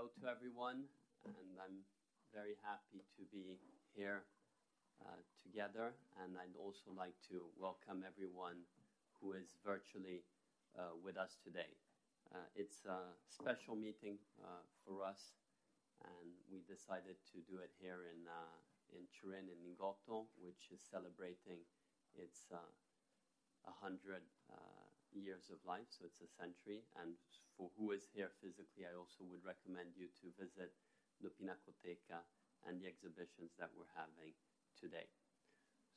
Hello to everyone, and I'm very happy to be here together. And I'd also like to welcome everyone who is virtually with us today. It's a special meeting for us, and we decided to do it here in Turin, in Lingotto, which is celebrating its 100 years of life, so it's a century. And for who is here physically, I also would recommend you to visit the Pinacoteca and the exhibitions that we're having today.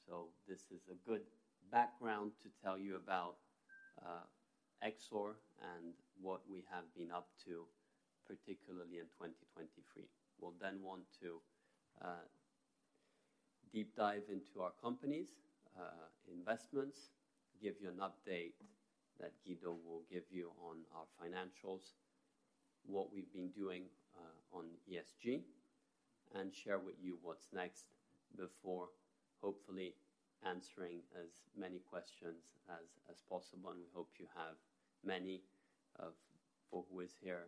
So this is a good background to tell you about Exor and what we have been up to, particularly in 2023. We'll then want to deep dive into our company's investments, give you an update that Guido will give you on our financials, what we've been doing on ESG, and share with you what's next before hopefully answering as many questions as possible, and we hope you have many of them for who is here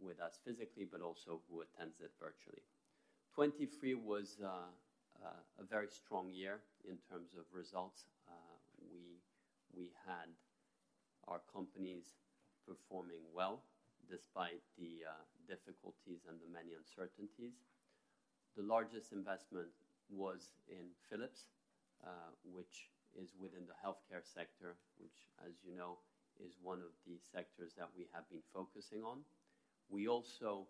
with us physically, but also who attends it virtually. 2023 was a very strong year in terms of results. We had our companies performing well despite the difficulties and the many uncertainties. The largest investment was in Philips, which is within the healthcare sector, which, as you know, is one of the sectors that we have been focusing on. We also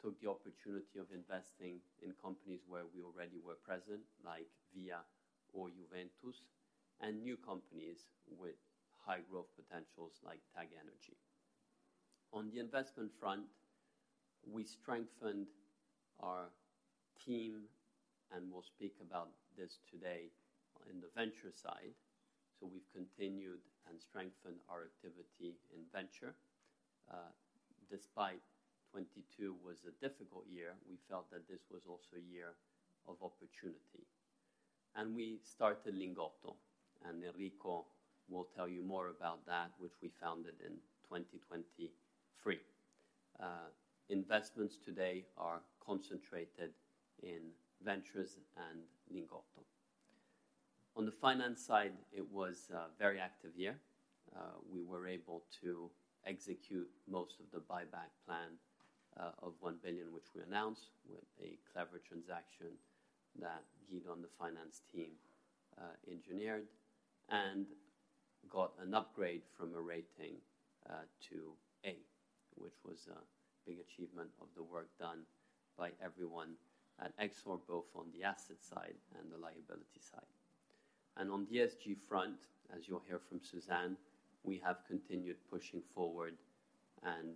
took the opportunity of investing in companies where we already were present, like Via or Juventus, and new companies with high growth potentials like TagEnergy. On the investment front, we strengthened our team, and we'll speak about this today in the venture side. So we've continued and strengthened our activity in venture. Despite 2022 was a difficult year, we felt that this was also a year of opportunity. And we started Lingotto, and Enrico will tell you more about that, which we founded in 2023. Investments today are concentrated in Ventures and Lingotto. On the finance side, it was a very active year. We were able to execute most of the buyback plan of 1 billion, which we announced with a clever transaction that Guido on the finance team engineered, and got an upgrade from a rating to A, which was a big achievement of the work done by everyone at Exor, both on the asset side and the liability side. And on the ESG front, as you'll hear from Suzanne, we have continued pushing forward and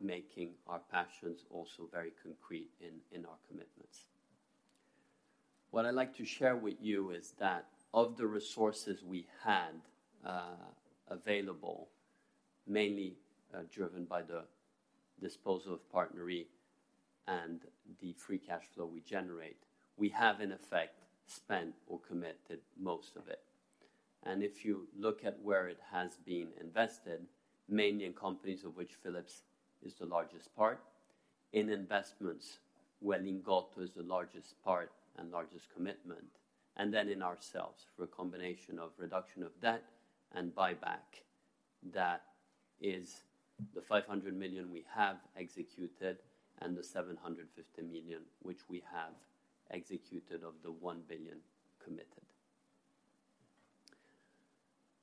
making our passions also very concrete in our commitments. What I'd like to share with you is that of the resources we had available, mainly driven by the disposal of PartnerRe and the free cash flow we generate, we have, in effect, spent or committed most of it. If you look at where it has been invested, mainly in companies of which Philips is the largest part, in investments, where Lingotto is the largest part and largest commitment, and then in ourselves, for a combination of reduction of debt and buyback. That is the 500 million we have executed and the 750 million which we have executed of the 1 billion committed.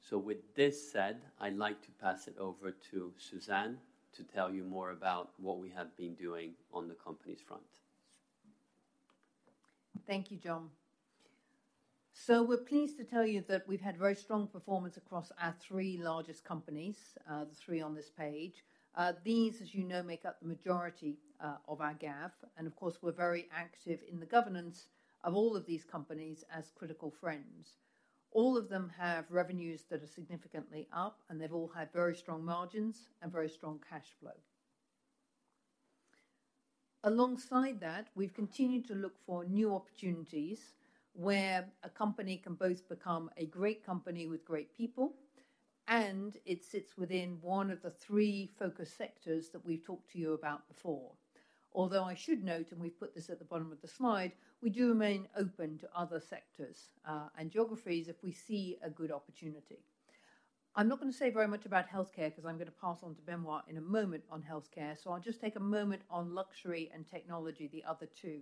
With this said, I'd like to pass it over to Suzanne to tell you more about what we have been doing on the companies front. Thank you, John. So we're pleased to tell you that we've had very strong performance across our three largest companies, the three on this page. These, as you know, make up the majority of our GAV, and of course, we're very active in the governance of all of these companies as critical friends. All of them have revenues that are significantly up, and they've all had very strong margins and very strong cash flow. Alongside that, we've continued to look for new opportunities where a company can both become a great company with great people, and it sits within one of the three focus sectors that we've talked to you about before. Although I should note, and we've put this at the bottom of the slide, we do remain open to other sectors, and geographies if we see a good opportunity. I'm not going to say very much about healthcare because I'm going to pass on to Benoît in a moment on healthcare, so I'll just take a moment on luxury and technology, the other two.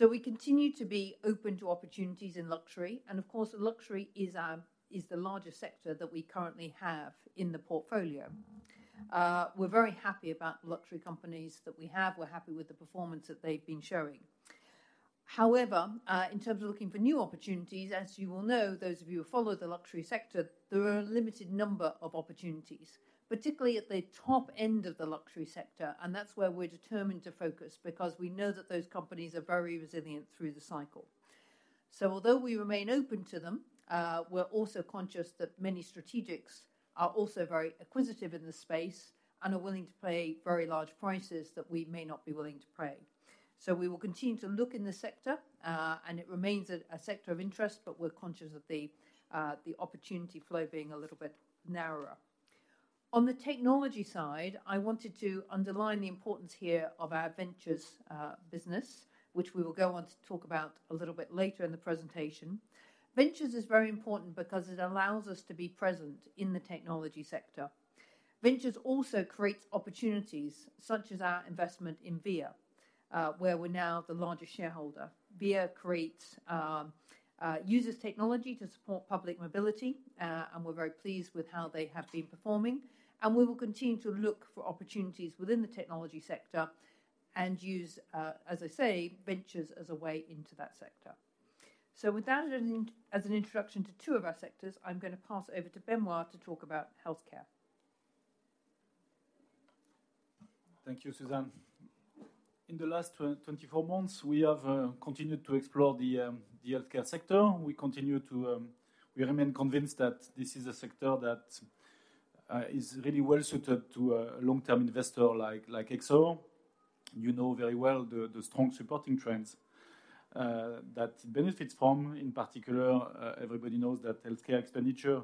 We continue to be open to opportunities in luxury, and of course, luxury is the largest sector that we currently have in the portfolio. We're very happy about the luxury companies that we have. We're happy with the performance that they've been showing. However, in terms of looking for new opportunities, as you all know, those of you who follow the luxury sector, there are a limited number of opportunities, particularly at the top end of the luxury sector, and that's where we're determined to focus because we know that those companies are very resilient through the cycle. So although we remain open to them, we're also conscious that many strategics are also very acquisitive in this space and are willing to pay very large prices that we may not be willing to pay. So we will continue to look in the sector, and it remains a sector of interest, but we're conscious of the opportunity flow being a little bit narrower. On the technology side, I wanted to underline the importance here of our Ventures business, which we will go on to talk about a little bit later in the presentation. Ventures is very important because it allows us to be present in the technology sector. Ventures also creates opportunities, such as our investment in Via, where we're now the largest shareholder. Via uses technology to support public mobility, and we're very pleased with how they have been performing, and we will continue to look for opportunities within the technology sector and use, as I say, Ventures as a way into that sector. So with that as an introduction to two of our sectors, I'm going to pass over to Benoît to talk about healthcare. Thank you, Suzanne. In the last 24 months, we have continued to explore the healthcare sector. We continue to. We remain convinced that this is a sector that is really well suited to a long-term investor like Exor. You know very well the strong supporting trends that benefits from, in particular, everybody knows that healthcare expenditure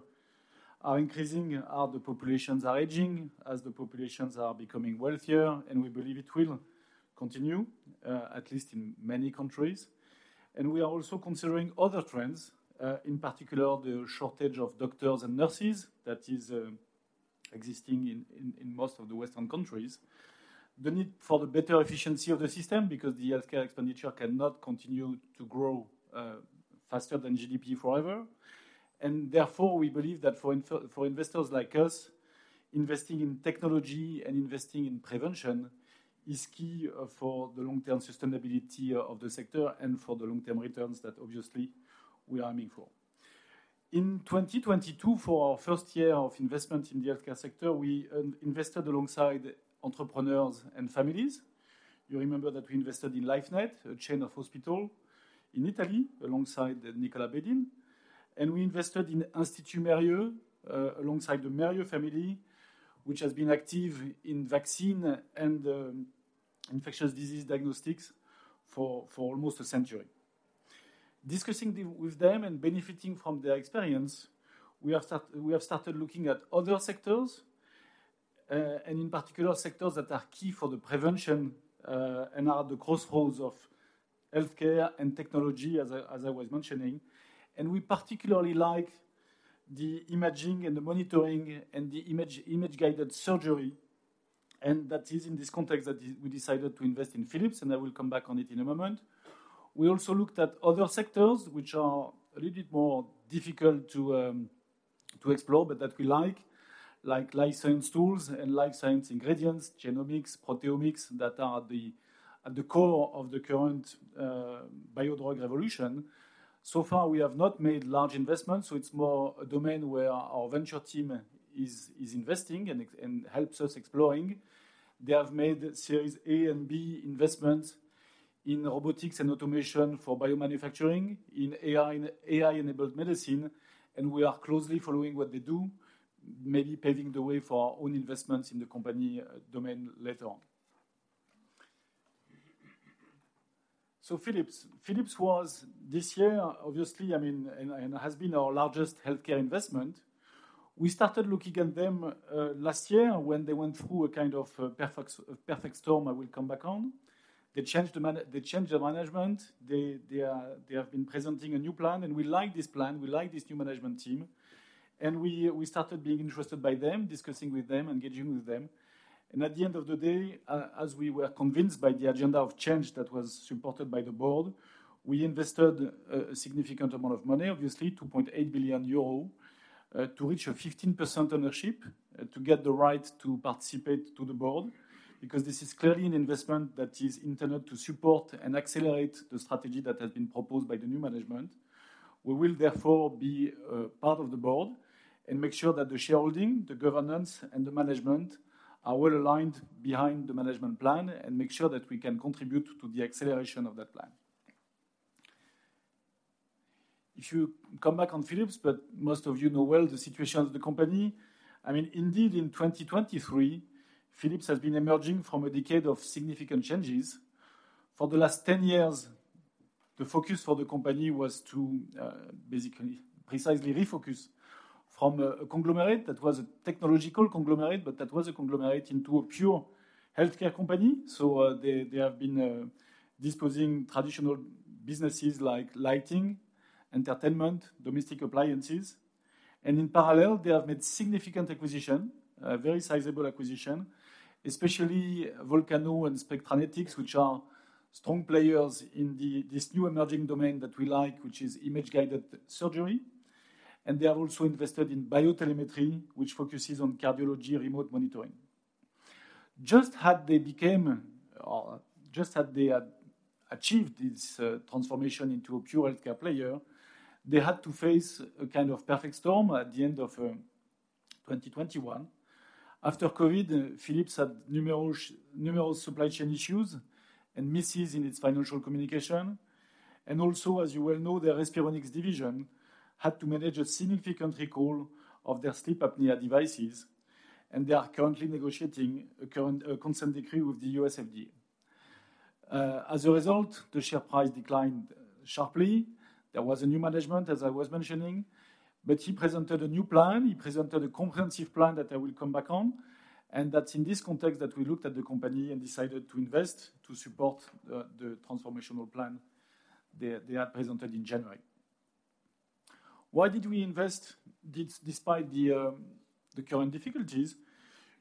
are increasing as the populations are aging, as the populations are becoming wealthier, and we believe it will continue at least in many countries. And we are also considering other trends, in particular, the shortage of doctors and nurses that is existing in most of the Western countries. The need for the better efficiency of the system, because the healthcare expenditure cannot continue to grow faster than GDP forever. And therefore, we believe that for investors like us, investing in technology and investing in prevention is key for the long-term sustainability of the sector and for the long-term returns that obviously we are aiming for. In 2022, for our first year of investment in the healthcare sector, we invested alongside entrepreneurs and families. You remember that we invested in Lifenet, a chain of hospital in Italy, alongside Nicola Bedin, and we invested in Institut Mérieux, alongside the Mérieux family, which has been active in vaccine and infectious disease diagnostics for almost a century. Discussing with them and benefiting from their experience, we have started looking at other sectors and in particular, sectors that are key for the prevention and are at the crossroads of healthcare and technology, as I was mentioning. And we particularly like the imaging and the monitoring and the image, image-guided surgery, and that is in this context that we decided to invest in Philips, and I will come back on it in a moment. We also looked at other sectors which are a little bit more difficult to explore, but that we like, like life science tools and life science ingredients, genomics, proteomics, that are at the core of the current biodrug revolution. So far, we have not made large investments, so it's more a domain where our venture team is investing and helps us exploring. They have made Series A and B investments in robotics and automation for biomanufacturing, in AI, AI-enabled medicine, and we are closely following what they do, maybe paving the way for our own investments in the company domain later on. So Philips. Philips was, this year, obviously, I mean, and has been our largest healthcare investment. We started looking at them last year when they went through a kind of a perfect, perfect storm I will come back on. They changed their management. They are. They have been presenting a new plan, and we like this plan. We like this new management team. And we started being interested by them, discussing with them, engaging with them. At the end of the day, as we were convinced by the agenda of change that was supported by the board, we invested a significant amount of money, obviously, 2.8 billion euro, to reach a 15% ownership, to get the right to participate to the board, because this is clearly an investment that is intended to support and accelerate the strategy that has been proposed by the new management. We will therefore be part of the board and make sure that the shareholding, the governance, and the management are well aligned behind the management plan and make sure that we can contribute to the acceleration of that plan. If you come back on Philips, but most of you know well the situation of the company. I mean, indeed, in 2023, Philips has been emerging from a decade of significant changes. For the last 10 years, the focus for the company was to basically precisely refocus from a conglomerate that was a technological conglomerate, but that was a conglomerate into a pure healthcare company. So, they have been disposing traditional businesses like lighting, entertainment, domestic appliances. And in parallel, they have made significant acquisition, a very sizable acquisition, especially Volcano and Spectranetics, which are strong players in this new emerging domain that we like, which is image-guided surgery. And they have also invested in BioTelemetry, which focuses on cardiology remote monitoring. Just had they became, or just had they had achieved this transformation into a pure healthcare player, they had to face a kind of perfect storm at the end of 2021. After COVID, Philips had numerous supply chain issues and misses in its financial communication and also, as you well know, their Respironics division had to manage a significant recall of their sleep apnea devices, and they are currently negotiating a consent decree with the U.S. FDA. As a result, the share price declined sharply. There was a new management, as I was mentioning, but he presented a new plan. He presented a comprehensive plan that I will come back on, and that's in this context that we looked at the company and decided to invest to support the transformational plan they had presented in January. Why did we invest despite the current difficulties?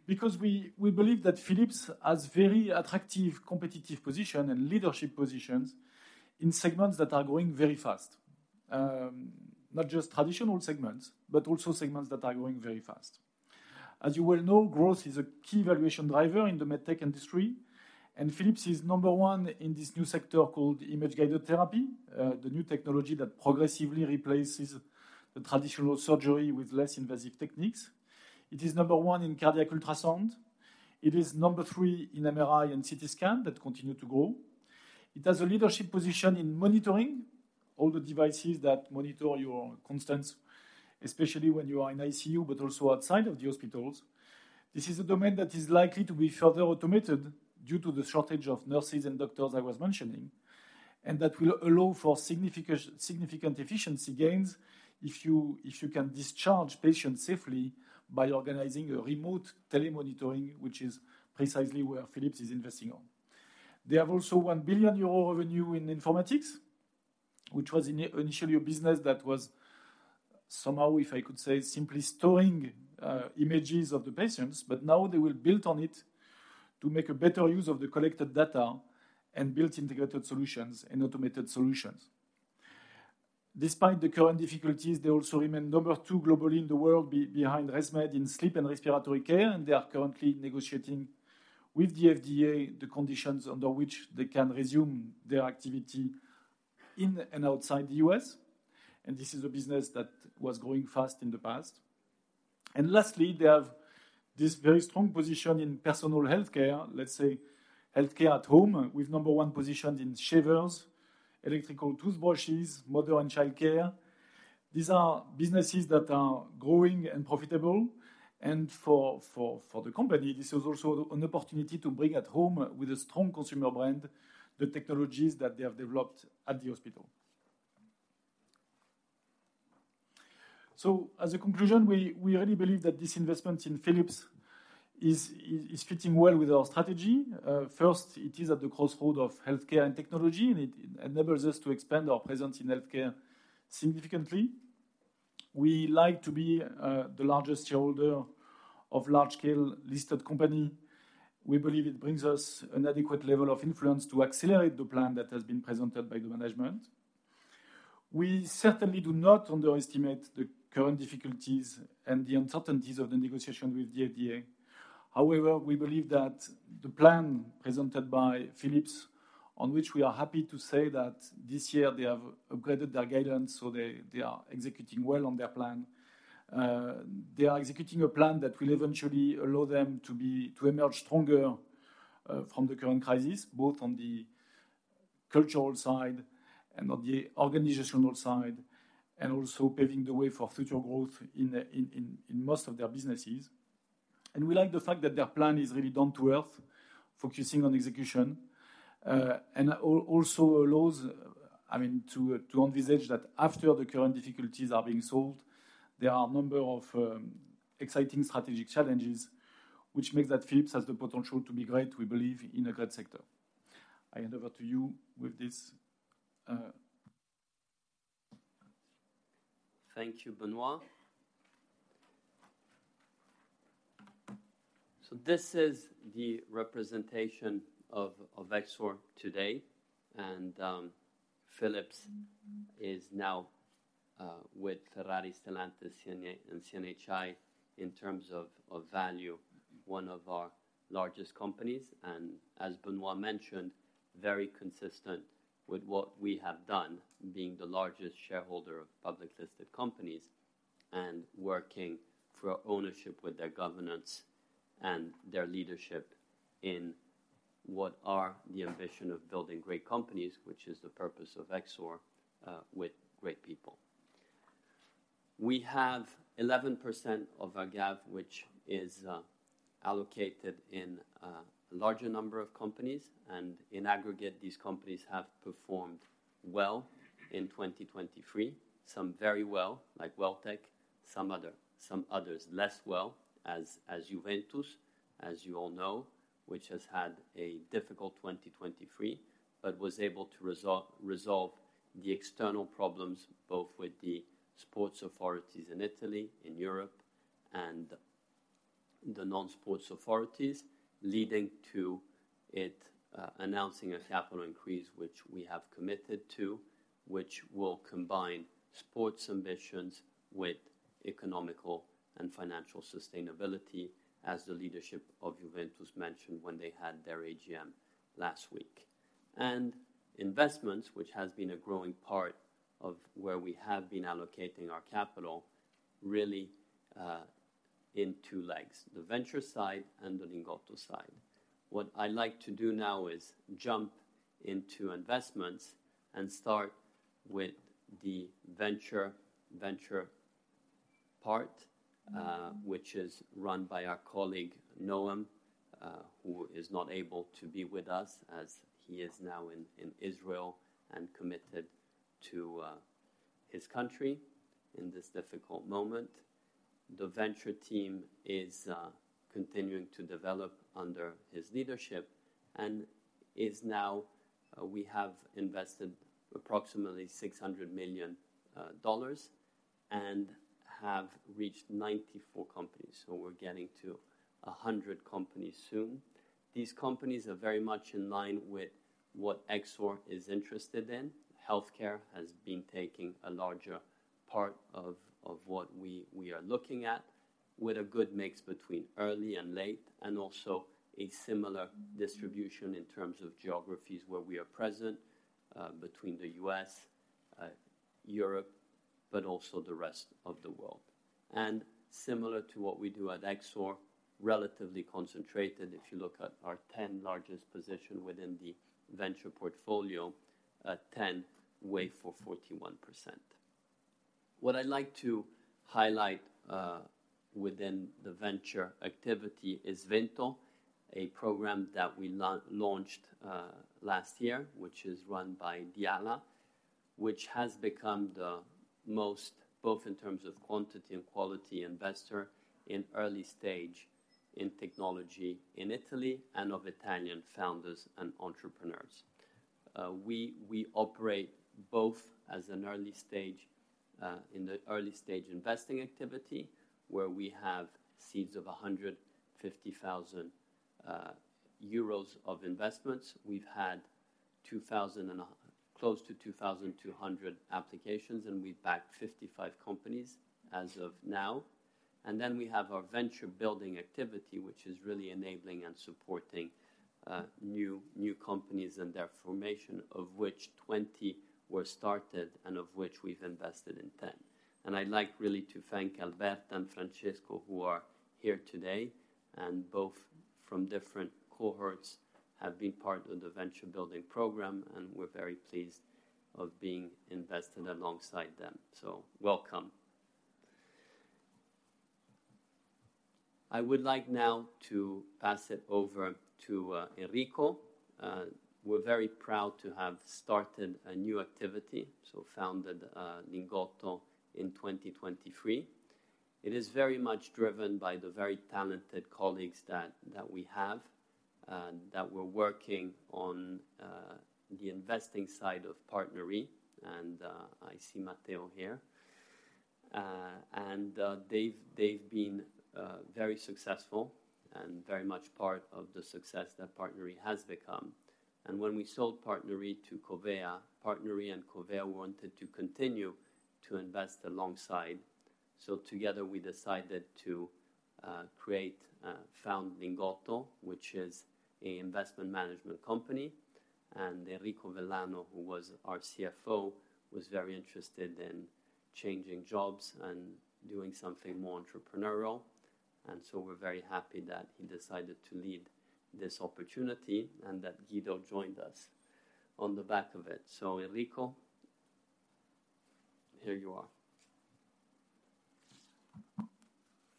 Because we believe that Philips has very attractive competitive position and leadership positions in segments that are growing very fast. Not just traditional segments, but also segments that are growing very fast. As you well know, growth is a key valuation driver in the med tech industry, and Philips is number one in this new sector called image-guided therapy, the new technology that progressively replaces the traditional surgery with less invasive techniques. It is number one in cardiac ultrasound. It is number three in MRI and CT scan that continue to grow. It has a leadership position in monitoring all the devices that monitor your constants, especially when you are in ICU, but also outside of the hospitals. This is a domain that is likely to be further automated due to the shortage of nurses and doctors I was mentioning, and that will allow for significant efficiency gains if you, if you can discharge patients safely by organizing a remote telemonitoring, which is precisely where Philips is investing on. They have also 1 billion euro revenue in informatics, which was initially a business that was somehow, if I could say, simply storing images of the patients, but now they will build on it to make a better use of the collected data and build integrated solutions and automated solutions. Despite the current difficulties, they also remain number two globally in the world behind ResMed in sleep and respiratory care, and they are currently negotiating with the FDA the conditions under which they can resume their activity in and outside the U.S., and this is a business that was growing fast in the past. And lastly, they have this very strong position in personal healthcare, let's say healthcare at home, with number one positions in shavers, electrical toothbrushes, mother and childcare. These are businesses that are growing and profitable, and for the company, this is also an opportunity to bring at home with a strong consumer brand, the technologies that they have developed at the hospital. So as a conclusion, we really believe that this investment in Philips is fitting well with our strategy. First, it is at the crossroad of healthcare and technology, and it enables us to expand our presence in healthcare significantly. We like to be the largest shareholder of large-scale listed company. We believe it brings us an adequate level of influence to accelerate the plan that has been presented by the management. We certainly do not underestimate the current difficulties and the uncertainties of the negotiation with the FDA. However, we believe that the plan presented by Philips, on which we are happy to say that this year they have upgraded their guidance, so they are executing well on their plan. They are executing a plan that will eventually allow them to emerge stronger from the current crisis, both on the cultural side and on the organizational side, and also paving the way for future growth in most of their businesses. We like the fact that their plan is really down to earth, focusing on execution, and also allows, I mean, to envisage that after the current difficulties are being solved, there are a number of exciting strategic challenges, which makes that Philips has the potential to be great, we believe, in a great sector. I hand over to you with this. Thank you, Benoît. So this is the representation of Exor today, and Philips is now, with Ferrari, Stellantis, CNH and CNHI, in terms of value, one of our largest companies, and as Benoît mentioned, very consistent with what we have done, being the largest shareholder of public listed companies and working through our ownership with their governance and their leadership in what are the ambition of building great companies, which is the purpose of Exor, with great people. We have 11% of our GAV, which is allocated in larger number of companies, and in aggregate, these companies have performed well in 2023. Some very well, like Welltec, some other, some others less well, as, as Juventus, as you all know, which has had a difficult 2023, but was able to resolve the external problems, both with the sports authorities in Italy, in Europe, and the non-sports authorities, leading to it announcing a capital increase, which we have committed to, which will combine sports ambitions with economical and financial sustainability, as the leadership of Juventus mentioned when they had their AGM last week. And investments, which has been a growing part of where we have been allocating our capital, really, in two legs, the venture side and the Lingotto side. What I'd like to do now is jump into investments and start with the venture part, which is run by our colleague, Noam, who is not able to be with us as he is now in Israel and committed to his country in this difficult moment. The venture team is continuing to develop under his leadership and is now we have invested approximately $600 million and have reached 94 companies, so we're getting to 100 companies soon. These companies are very much in line with what Exor is interested in. Healthcare has been taking a larger part of what we are looking at, with a good mix between early and late, and also a similar distribution in terms of geographies where we are present, between the U.S., Europe, but also the rest of the world. Similar to what we do at Exor, relatively concentrated. If you look at our 10 largest positions within the venture portfolio, 10 weigh 41%. What I'd like to highlight within the venture activity is Vento, a program that we launched last year, which is run by Diyala, which has become the most, both in terms of quantity and quality, investor in early stage in technology in Italy and of Italian founders and entrepreneurs. We operate both as an early stage in the early stage investing activity, where we have seeds of 150,000 euros of investments. We've had 2,000 and close to 2,200 applications, and we've backed 55 companies as of now. Then we have our venture building activity, which is really enabling and supporting new companies and their formation, of which 20 were started and of which we've invested in 10. I'd like really to thank Alberta and Francesco, who are here today, and both from different cohorts have been part of the venture building program, and we're very pleased of being invested alongside them. So welcome. I would like now to pass it over to Enrico. We're very proud to have started a new activity, so founded Lingotto in 2023. It is very much driven by the very talented colleagues that we have that were working on the investing side of PartnerRe, and I see Matteo here. And they've been very successful and very much part of the success that PartnerRe has become. When we sold PartnerRe to Covéa, PartnerRe and Covéa wanted to continue to invest alongside. So together, we decided to create, found Lingotto, which is an investment management company, and Enrico Vellano, who was our CFO, was very interested in changing jobs and doing something more entrepreneurial, and so we're very happy that he decided to lead this opportunity and that Guido joined us on the back of it. Enrico, here you are.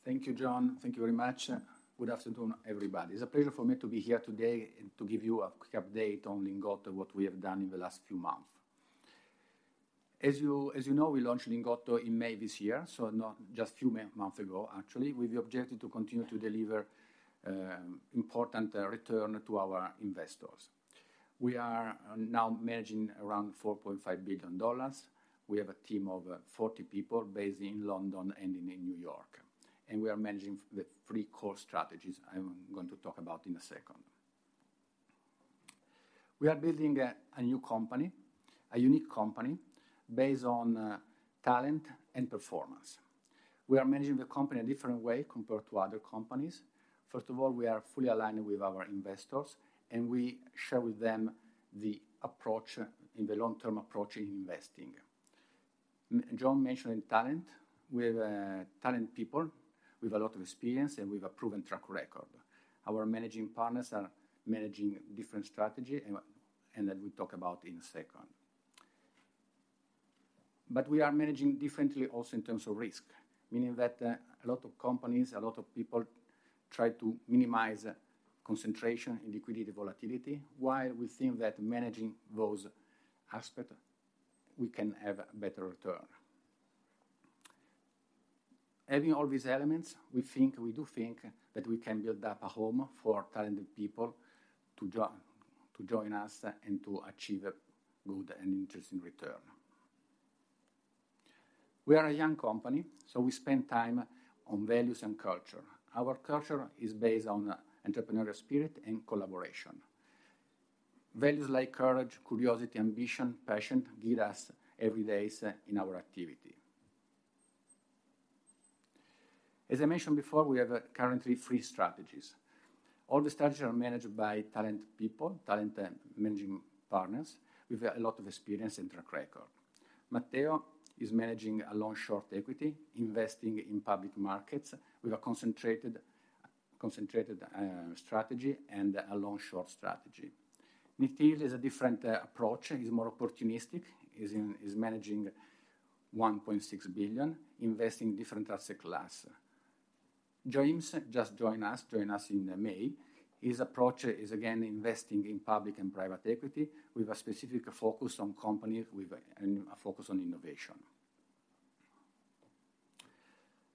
Thank you, John. Thank you very much. Good afternoon, everybody. It's a pleasure for me to be here today and to give you a quick update on Lingotto, what we have done in the last few months. As you know, we launched Lingotto in May this year, so not just few months ago, actually, with the objective to continue to deliver important return to our investors. We are now managing around $4.5 billion. We have a team of 40 people based in London and in New York, and we are managing the three core strategies I'm going to talk about in a second. We are building a new company, a unique company, based on talent and performance. We are managing the company in a different way compared to other companies. First of all, we are fully aligned with our investors, and we share with them the approach, in the long-term approach in investing. John mentioned talent. We have talented people with a lot of experience, and we've a proven track record. Our managing partners are managing different strategies and that we talk about in a second. But we are managing differently also in terms of risk, meaning that a lot of companies, a lot of people try to minimize concentration in liquidity volatility, while we think that managing those aspects, we can have a better return. Having all these elements, we think, we do think that we can build up a home for talented people to join us and to achieve a good and interesting return. We are a young company, so we spend time on values and culture. Our culture is based on entrepreneurial spirit and collaboration. Values like courage, curiosity, ambition, passion, guide us every day in our activity. As I mentioned before, we have currently three strategies. All the strategies are managed by talented people, talented managing partners with a lot of experience and track record. Matteo is managing a long-short equity, investing in public markets with a concentrated strategy and a long-short strategy. Nikhil is a different approach, he's more opportunistic. He's managing $1.6 billion, investing in different asset class. James just joined us in May. His approach is, again, investing in public and private equity with a specific focus on companies with a focus on innovation.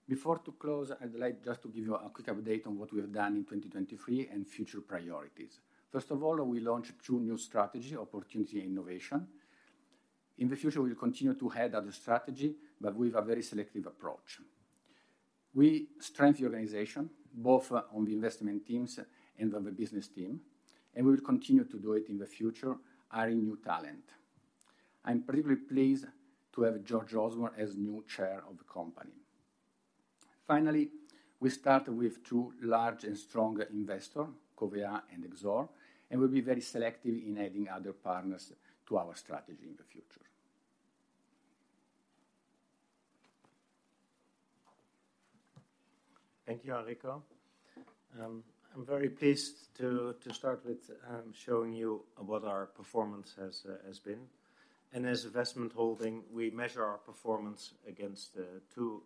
Before to close, I'd like just to give you a quick update on what we have done in 2023 and future priorities. First of all, we launched two new strategy: opportunity and innovation. In the future, we'll continue to add other strategy, but with a very selective approach. We strengthen the organization, both, on the investment teams and on the business team, and we will continue to do it in the future, hiring new talent. I'm particularly pleased to have George Osborne as new chair of the company. Finally, we started with two large and strong investor, Covéa and Exor, and we'll be very selective in adding other partners to our strategy in the future. Thank you, Enrico. I'm very pleased to start with showing you what our performance has been. And as investment holding, we measure our performance against two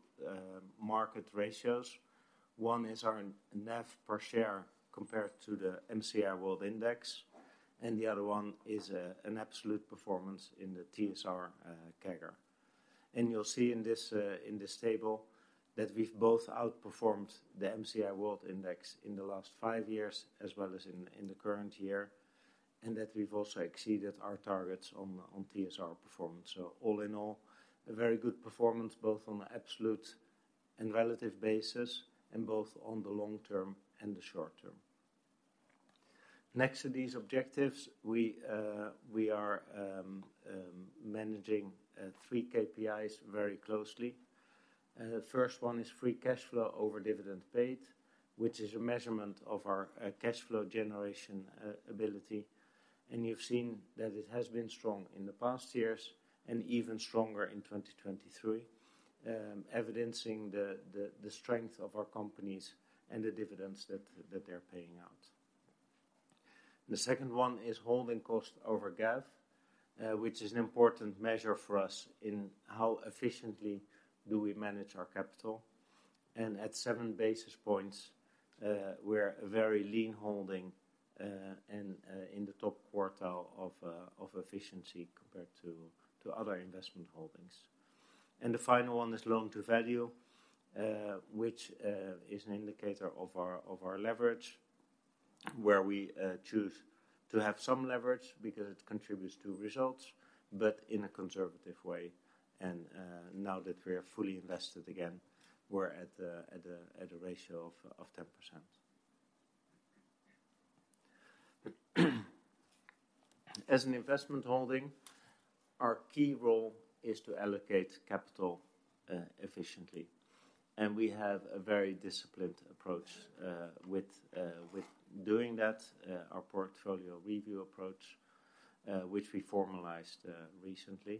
market ratios. One is our NAV per share compared to the MSCI World Index, and the other one is an absolute performance in the TSR/CAGR. And you'll see in this table, that we've both outperformed the MSCI World Index in the last five years as well as in the current year, and that we've also exceeded our targets on TSR performance. So all in all, a very good performance, both on absolute and relative basis, and both on the long term and the short term. Next to these objectives, we are managing three KPIs very closely. The first one is free cash flow over dividend paid, which is a measurement of our cash flow generation ability. And you've seen that it has been strong in the past years and even stronger in 2023, evidencing the strength of our companies and the dividends that they're paying out. The second one is holding cost over GAV, which is an important measure for us in how efficiently do we manage our capital. And at seven basis points, we're a very lean holding, and in the top quartile of efficiency compared to other investment holdings. And the final one is loan to value, which is an indicator of our leverage, where we choose to have some leverage because it contributes to results, but in a conservative way. Now that we are fully invested again, we're at a ratio of 10%. As an investment holding, our key role is to allocate capital efficiently, and we have a very disciplined approach with doing that. Our portfolio review approach, which we formalized recently.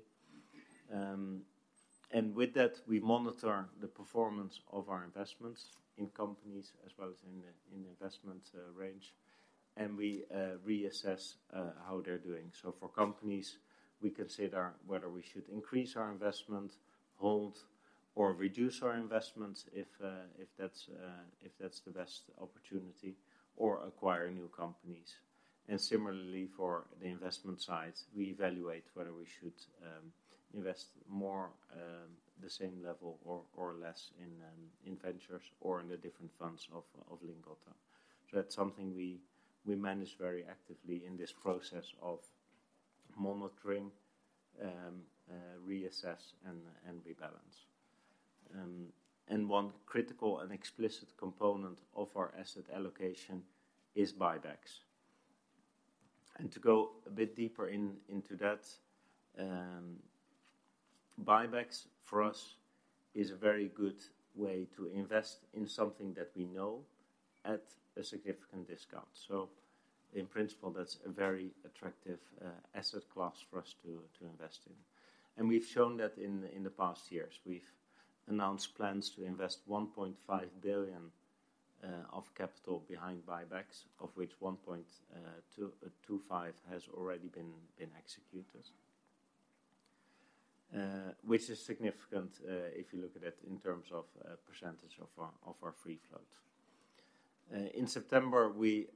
With that, we monitor the performance of our investments in companies as well as in the investment range, and we reassess how they're doing. So for companies, we consider whether we should increase our investment, hold, or reduce our investments if that's the best opportunity, or acquire new companies. Similarly, for the investment side, we evaluate whether we should invest more, the same level or, or less in, in Ventures or in the different funds of Lingotto. So that's something we, we manage very actively in this process of monitoring, reassess and, and rebalance. And one critical and explicit component of our asset allocation is buybacks. And to go a bit deeper into that, buybacks for us is a very good way to invest in something that we know at a significant discount. So in principle, that's a very attractive asset class for us to, to invest in, and we've shown that in, in the past years. We've announced plans to invest 1.5 billion of capital behind buybacks, of which 1.225 billion has already been executed, which is significant if you look at it in terms of percentage of our free float. In September, we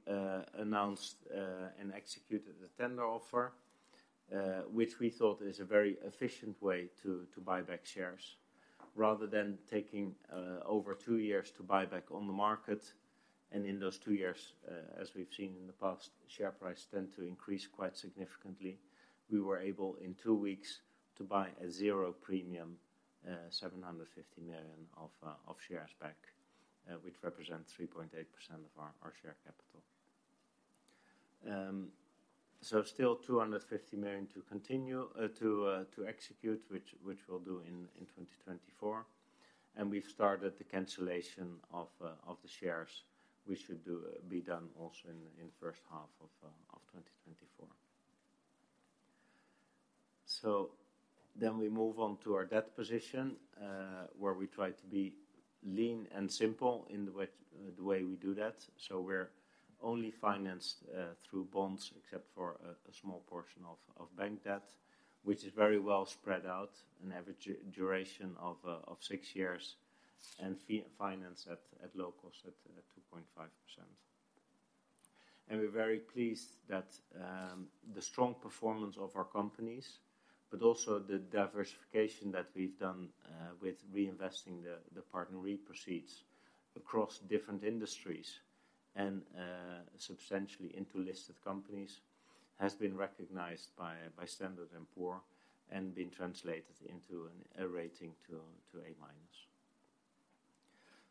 announced and executed a tender offer, which we thought is a very efficient way to buy back shares, rather than taking over two years to buy back on the market. And in those two years, as we've seen in the past, share price tend to increase quite significantly. We were able, in two weeks, to buy a zero premium 750 million of shares back, which represents 3.8% of our share capital so still 250 million to continue to execute, which we'll do in 2024. And we've started the cancellation of the shares, which should be done also in first half of 2024. So then we move on to our debt position, where we try to be lean and simple in the way the way we do that. So we're only financed through bonds, except for a small portion of bank debt, which is very well spread out, an average duration of six years, and financed at low cost, at 2.5%. We're very pleased that the strong performance of our companies, but also the diversification that we've done with reinvesting the PartnerRe proceeds across different industries and substantially into listed companies, has been recognized by Standard & Poor's, and been translated into a rating to A-.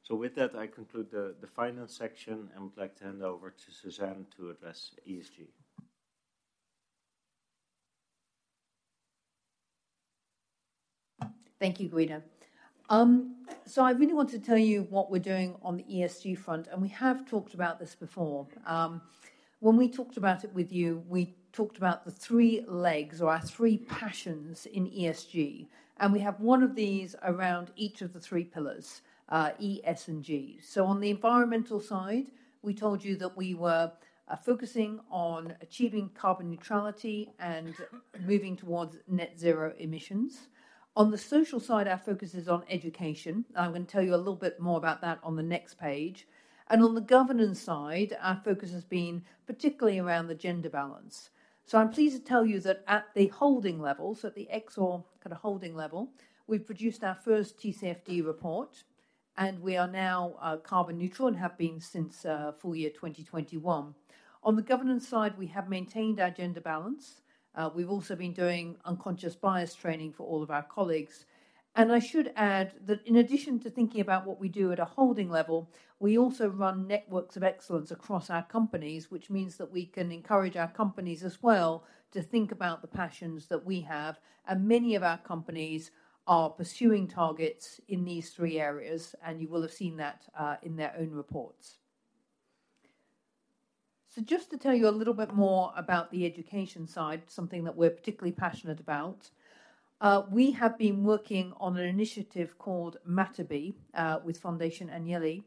So with that, I conclude the finance section, and would like to hand over to Suzanne to address ESG. Thank you, Guido. So I really want to tell you what we're doing on the ESG front, and we have talked about this before. When we talked about it with you, we talked about the three legs or our three passions in ESG, and we have one of these around each of the three pillars, E, S, and G. So on the environmental side, we told you that we were focusing on achieving carbon neutrality and moving towards net zero emissions. On the social side, our focus is on education. I'm gonna tell you a little bit more about that on the next page. And on the governance side, our focus has been particularly around the gender balance. So I'm pleased to tell you that at the holding level, so at the Exor kind of holding level, we've produced our first TCFD report, and we are now carbon neutral and have been since full year 2021. On the governance side, we have maintained our gender balance. We've also been doing unconscious bias training for all of our colleagues. I should add that in addition to thinking about what we do at a holding level, we also run networks of excellence across our companies, which means that we can encourage our companies as well to think about the passions that we have. Many of our companies are pursuing targets in these three areas, and you will have seen that in their own reports. So just to tell you a little bit more about the education side, something that we're particularly passionate about, we have been working on an initiative called Matabì, with Fondazione Agnelli.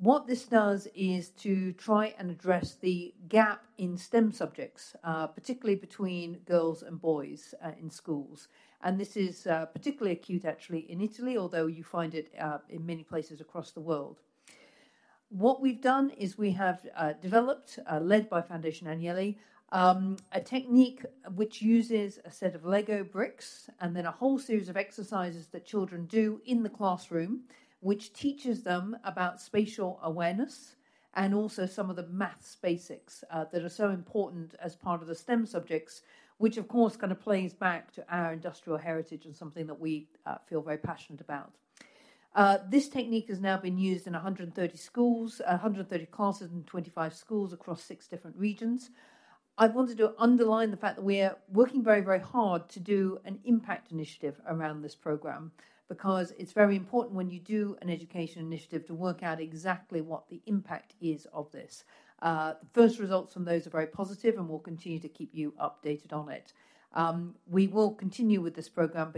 What this does is to try and address the gap in STEM subjects, particularly between girls and boys, in schools. And this is particularly acute, actually, in Italy, although you find it in many places across the world. What we've done is we have developed, led by Fondazione Agnelli, a technique which uses a set of LEGO bricks and then a whole series of exercises that children do in the classroom, which teaches them about spatial awareness and also some of the math basics that are so important as part of the STEM subjects, which of course kind of plays back to our industrial heritage and something that we feel very passionate about. This technique has now been used in 130 schools, 130 classes in 25 schools across six different regions. I wanted to underline the fact that we are working very, very hard to do an impact initiative around this program, because it's very important when you do an education initiative, to work out exactly what the impact is of this. The first results from those are very positive, and we'll continue to keep you updated on it. We will continue with this program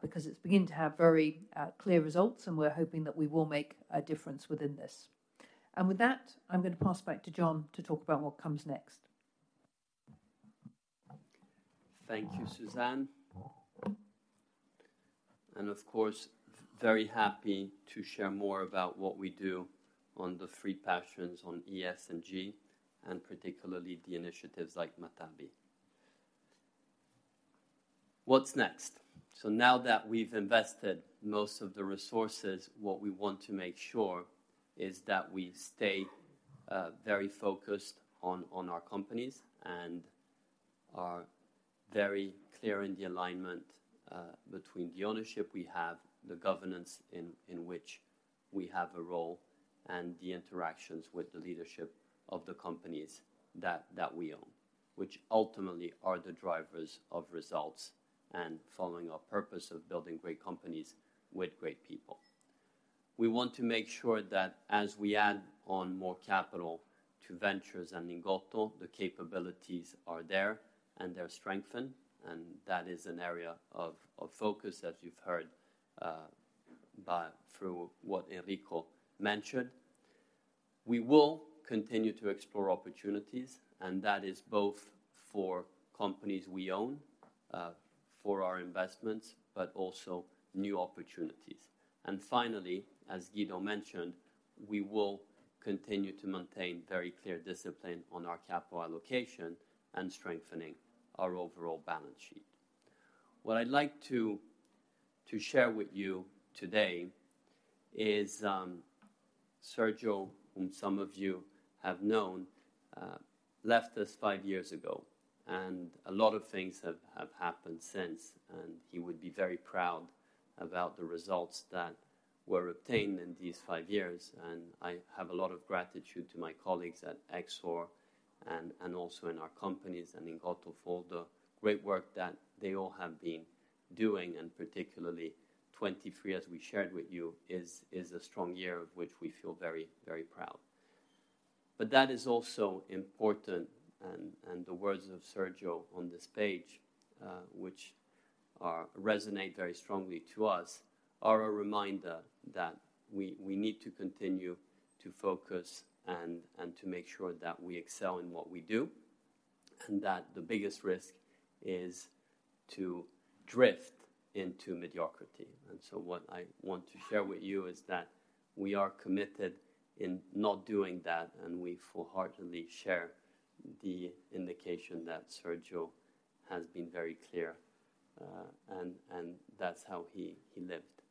because it's beginning to have very clear results, and we're hoping that we will make a difference within this. With that, I'm going to pass back to John to talk about what comes next. Thank you, Suzanne. And of course, very happy to share more about what we do on the three passions on ESG, and particularly the initiatives like Matabì. What's next? So now that we've invested most of the resources, what we want to make sure is that we stay, very focused on, on our companies and are very clear in the alignment, between the ownership we have, the governance in which we have a role, and the interactions with the leadership of the companies that we own, which ultimately are the drivers of results and following our purpose of building great companies with great people. We want to make sure that as we add on more capital to Ventures and Lingotto, the capabilities are there, and they're strengthened, and that is an area of focus, as you've heard, by through what Enrico mentioned. We will continue to explore opportunities, and that is both for companies we own for our investments, but also new opportunities. And finally, as Guido mentioned, we will continue to maintain very clear discipline on our capital allocation and strengthening our overall balance sheet. What I'd like to share with you today is Sergio, whom some of you have known, left us five years ago. And a lot of things have happened since, and he would be very proud about the results that were obtained in these five years. And I have a lot of gratitude to my colleagues at Exor and also in our companies and in Lingotto and Fondazione. Great work that they all have been doing, and particularly 2023, as we shared with you, is a strong year of which we feel very, very proud. But that is also important, and the words of Sergio on this page, which resonate very strongly to us, are a reminder that we need to continue to focus and to make sure that we excel in what we do, and that the biggest risk is to drift into mediocrity. So what I want to share with you is that we are committed in not doing that, and we wholeheartedly share the indication that Sergio has been very clear, and that's how he lived.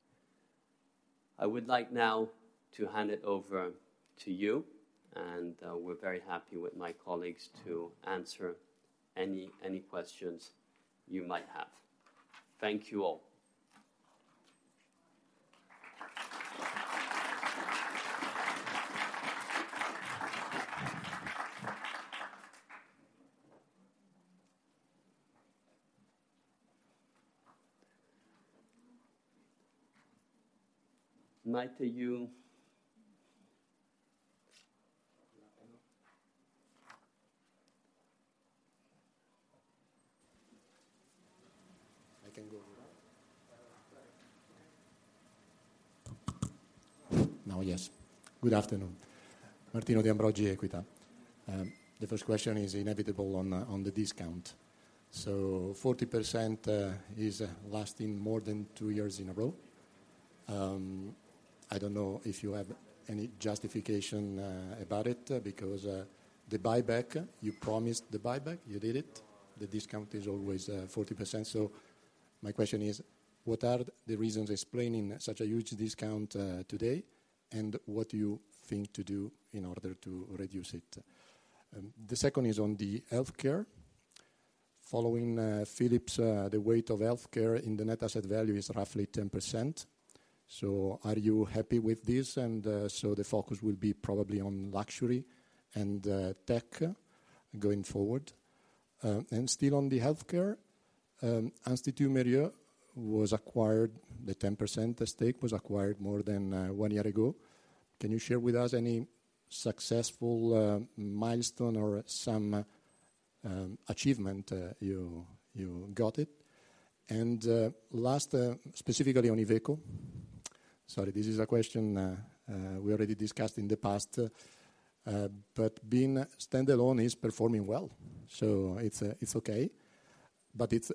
I would like now to hand it over to you, and we're very happy with my colleagues to answer any questions you might have. Thank you all. Might you - I can go now? Yes. Good afternoon. Martino De Ambroggi, Equita. The first question is inevitable on the discount. So 40% is lasting more than two years in a row. I don't know if you have any justification about it, because the buyback, you promised the buyback, you did it. The discount is always 40%. So my question is: What are the reasons explaining such a huge discount today, and what do you think to do in order to reduce it? The second is on the healthcare. Following Philips, the weight of healthcare in the net asset value is roughly 10%. So are you happy with this? And so the focus will be probably on luxury and tech going forward. Still on the healthcare, Institut Mérieux was acquired, the 10% stake was acquired more than one year ago. Can you share with us any successful milestone or some achievement you got it? And last, specifically on Iveco. Sorry, this is a question we already discussed in the past, but being standalone is performing well, so it's okay, but it's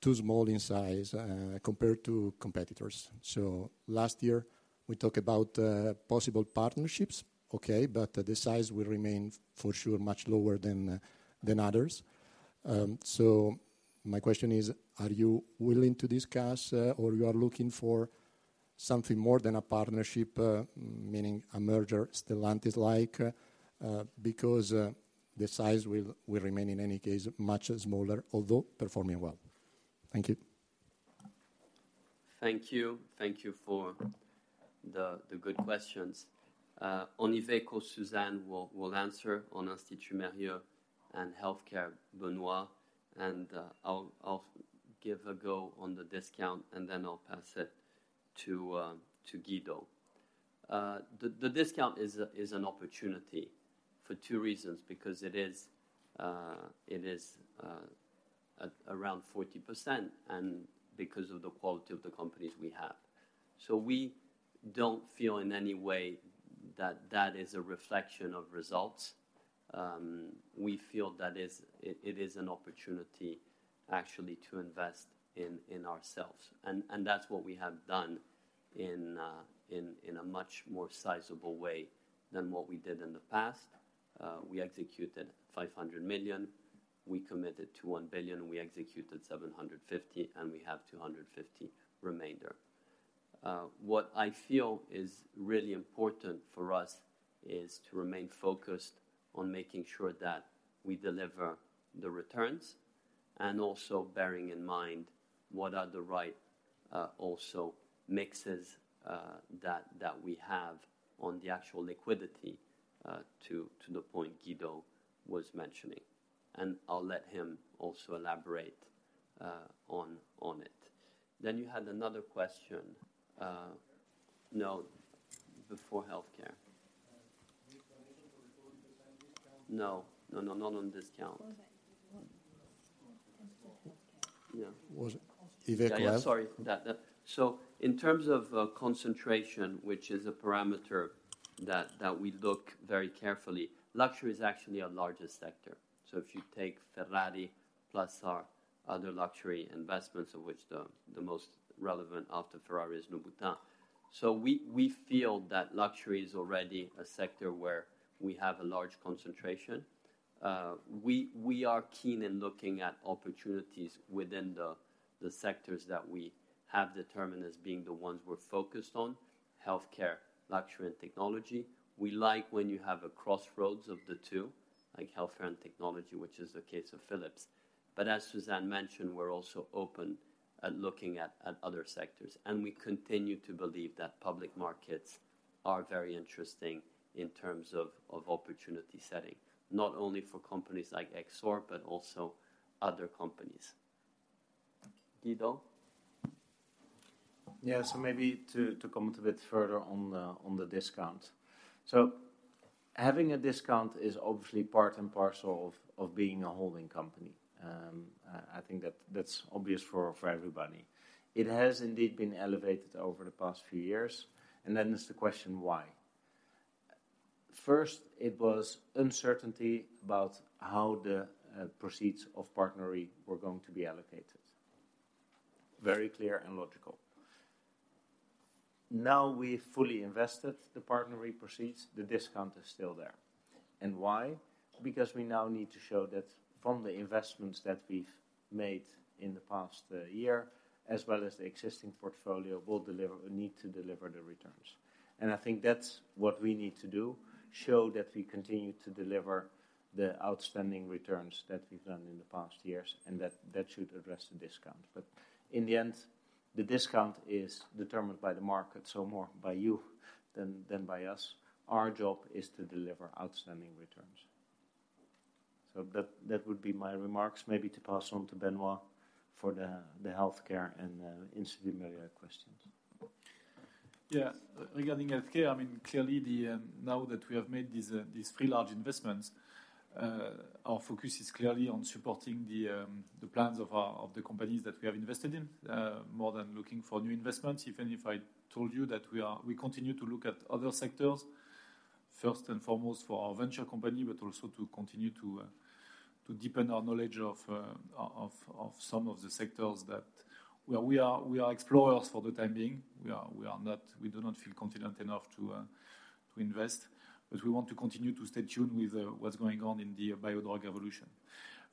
too small in size compared to competitors. So last year, we talked about possible partnerships. Okay, but the size will remain for sure, much lower than others. So my question is: Are you willing to discuss, or you are looking for something more than a partnership, meaning a merger Stellantis like? Because the size will remain, in any case, much smaller, although performing well. Thank you. Thank you. Thank you for the good questions. On Iveco, Suzanne will answer. On Institut Mérieux and healthcare, Benoît, and I'll give a go on the discount, and then I'll pass it to Guido. The discount is an opportunity for two reasons, because it is at around 40% and because of the quality of the companies we have. So we don't feel in any way that that is a reflection of results. We feel that it is an opportunity actually to invest in ourselves, and that's what we have done in a much more sizable way than what we did in the past. We executed 500 million, we committed to 1 billion, we executed 750 million, and we have 250 million remainder. What I feel is really important for us is to remain focused on making sure that we deliver the returns and also bearing in mind what are the right also mixes that we have on the actual liquidity to the point Guido was mentioning. And I'll let him also elaborate on it. Then you had another question. Healthcare? No, before healthcare. The explanation for the 40% discount? No. No, no, not on discount. Was that- Yeah. Was it Iveco? Yeah, sorry, that. So in terms of concentration, which is a parameter that we look very carefully, luxury is actually our largest sector. So if you take Ferrari plus our other luxury investments, of which the most relevant after Ferrari is Louboutin. So we feel that luxury is already a sector where we have a large concentration. We are keen in looking at opportunities within the sectors that we have determined as being the ones we're focused on: healthcare, luxury, and technology. We like when you have a crossroads of the two, like healthcare and technology, which is the case of Philips. But as Suzanne mentioned, we're also open at looking at other sectors, and we continue to believe that public markets are very interesting in terms of opportunity setting, not only for companies like Exor, but also other companies. Guido? Yeah, so maybe to, to comment a bit further on the, on the discount. So having a discount is obviously part and parcel of, of being a holding company. I think that that's obvious for, for everybody. It has indeed been elevated over the past few years, and then there's the question, why? First, it was uncertainty about how the, proceeds of PartnerRe were going to be allocated. Very clear and logical. Now, we've fully invested the PartnerRe proceeds, the discount is still there. And why? Because we now need to show that from the investments that we've made in the past, year, as well as the existing portfolio, we'll deliver - we need to deliver the returns. I think that's what we need to do, show that we continue to deliver the outstanding returns that we've done in the past years, and that, that should address the discount. But in the end, the discount is determined by the market, so more by you than, than by us. Our job is to deliver outstanding returns. So that, that would be my remarks, maybe to pass on to Benoît for the, the healthcare and Institut Mérieux questions. Yeah. Regarding healthcare, I mean, clearly, now that we have made these three large investments, our focus is clearly on supporting the plans of the companies that we have invested in, more than looking for new investments. Even if I told you that we continue to look at other sectors, first and foremost, for our venture company, but also to continue to deepen our knowledge of some of the sectors that... Well, we are explorers for the time being. We do not feel confident enough to invest, but we want to continue to stay tuned with what's going on in the biodrug evolution.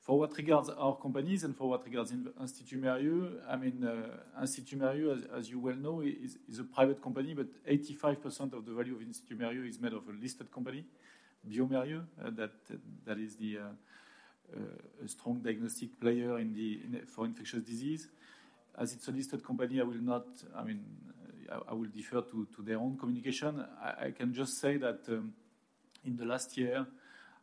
For what regards our companies and for what regards Institut Mérieux, I mean, Institut Mérieux, as, as you well know, is, is a private company, but 85% of the value of Institut Mérieux is made of a listed company, bioMérieux, that, that is the strong diagnostic player in the-- in-- for infectious disease. As it's a listed company, I will not... I mean, I, I will defer to, to their own communication. I can just say that, in the last year,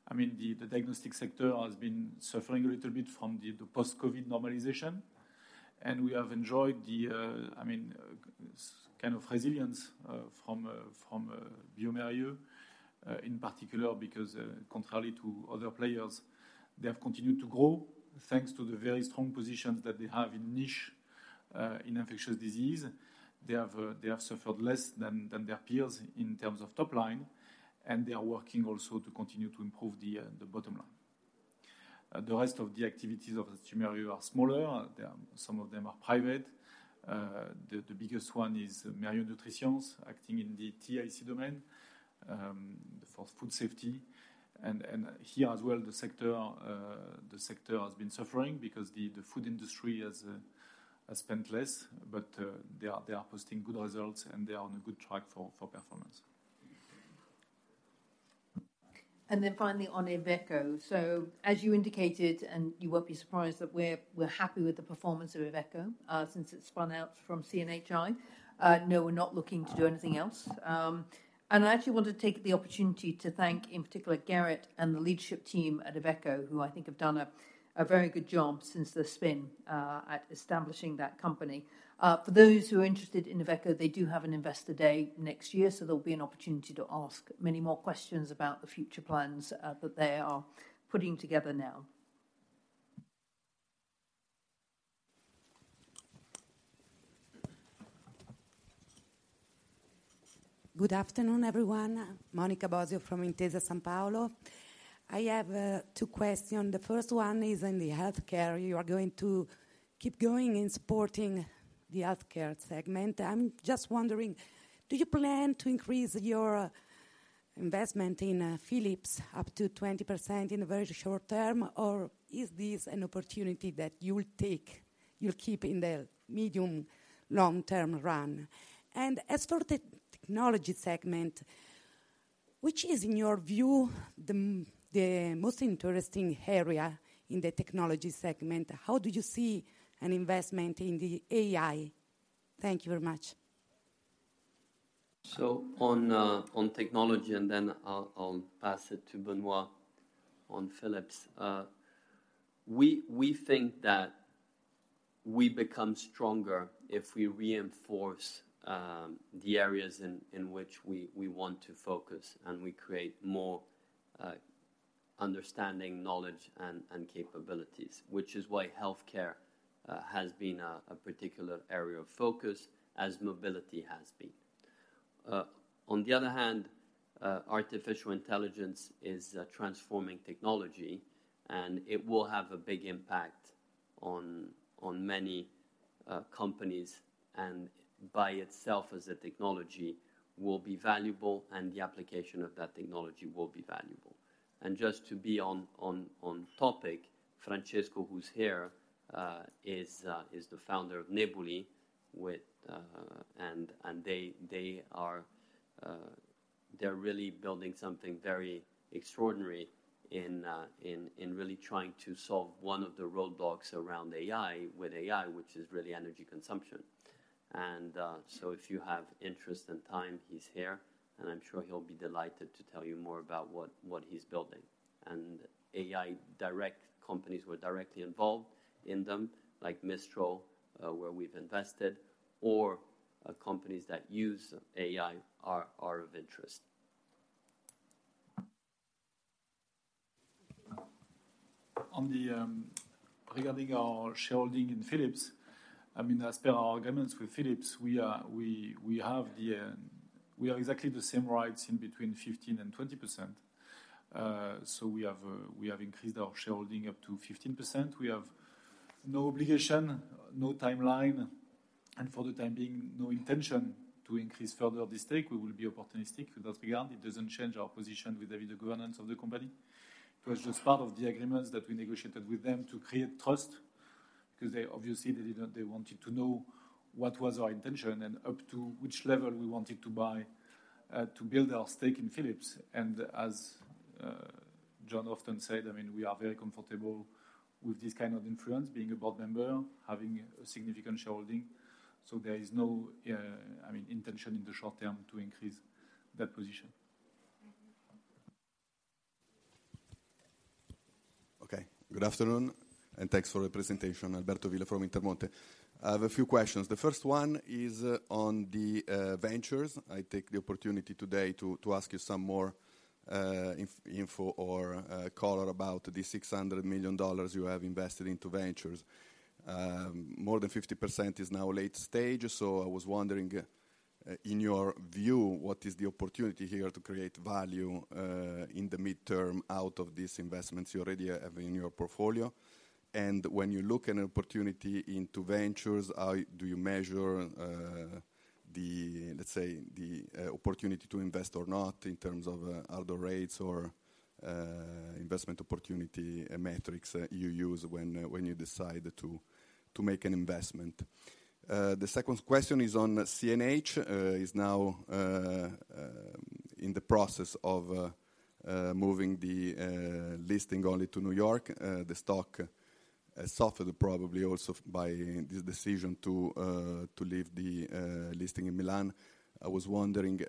I mean, the diagnostic sector has been suffering a little bit from the post-COVID normalization, and we have enjoyed the, I mean, kind of resilience from bioMérieux, in particular, because, contrary to other players, they have continued to grow, thanks to the very strong positions that they have in niche, in infectious disease. They have suffered less than their peers in terms of top line, and they are working also to continue to improve the bottom line. The rest of the activities of Institut Mérieux are smaller. They are. Some of them are private. The biggest one is Mérieux NutriSciences, acting in the TIC domain, for food safety. Here as well, the sector has been suffering because the food industry has spent less, but they are posting good results, and they are on a good track for performance. And then finally, on Iveco. So as you indicated, and you won't be surprised that we're happy with the performance of Iveco since it spun out from CNHI. No, we're not looking to do anything else. And I actually wanted to take the opportunity to thank, in particular, Gerrit and the leadership team at Iveco, who I think have done a very good job since the spin at establishing that company. For those who are interested in Iveco, they do have an Investor Day next year, so there'll be an opportunity to ask many more questions about the future plans that they are putting together now. Good afternoon, everyone. Monica Bosio from Intesa Sanpaolo. I have two questions. The first one is in the healthcare. You are going to keep going in supporting the healthcare segment. I'm just wondering, do you plan to increase your investment in Philips up to 20% in a very short term, or is this an opportunity that you will take, you'll keep in the medium, long-term run? And as for the technology segment, which is, in your view, the most interesting area in the technology segment? How do you see an investment in the AI? Thank you very much. So on technology, and then I'll pass it to Benoît on Philips. We think that we become stronger if we reinforce the areas in which we want to focus, and we create more understanding, knowledge, and capabilities, which is why healthcare has been a particular area of focus, as mobility has been. On the other hand, artificial intelligence is transforming technology, and it will have a big impact on many companies, and by itself as a technology, will be valuable, and the application of that technology will be valuable. And just to be on topic, Francesco, who's here, is the founder of Nebuly with, and they are really building something very extraordinary in really trying to solve one of the roadblocks around AI, with AI, which is really energy consumption. If you have interest and time, he's here, and I'm sure he'll be delighted to tell you more about what, what he's building. AI direct companies who are directly involved in them, like Mistral, where we've invested, or companies that use AI are of interest. Regarding our shareholding in Philips, I mean, as per our agreements with Philips, we have exactly the same rights in between 15%-20%. So we have increased our shareholding up to 15%. We have no obligation, no timeline, and for the time being, no intention to increase further the stake. We will be opportunistic in that regard. It doesn't change our position with the governance of the company. It was just part of the agreements that we negotiated with them to create trust, 'cause they obviously didn't. They wanted to know what was our intention and up to which level we wanted to buy to build our stake in Philips. As John often said, I mean, we are very comfortable with this kind of influence, being a board member, having a significant shareholding. There is no, I mean, intention in the short term to increase that position. Okay. Good afternoon, and thanks for the presentation. Alberto Villa from Intermonte. I have a few questions. The first one is on the Ventures. I take the opportunity today to ask you some more info or color about the $600 million you have invested into Ventures. More than 50% is now late stage, so I was wondering, in your view, what is the opportunity here to create value in the midterm out of these investments you already have in your portfolio? And when you look at an opportunity into Ventures, how do you measure the, let's say, opportunity to invest or not in terms of other rates or investment opportunity metrics you use when you decide to make an investment? The second question is on CNH is now in the process of moving the listing only to New York. The stock suffered probably also by this decision to leave the listing in Milan. I was wondering,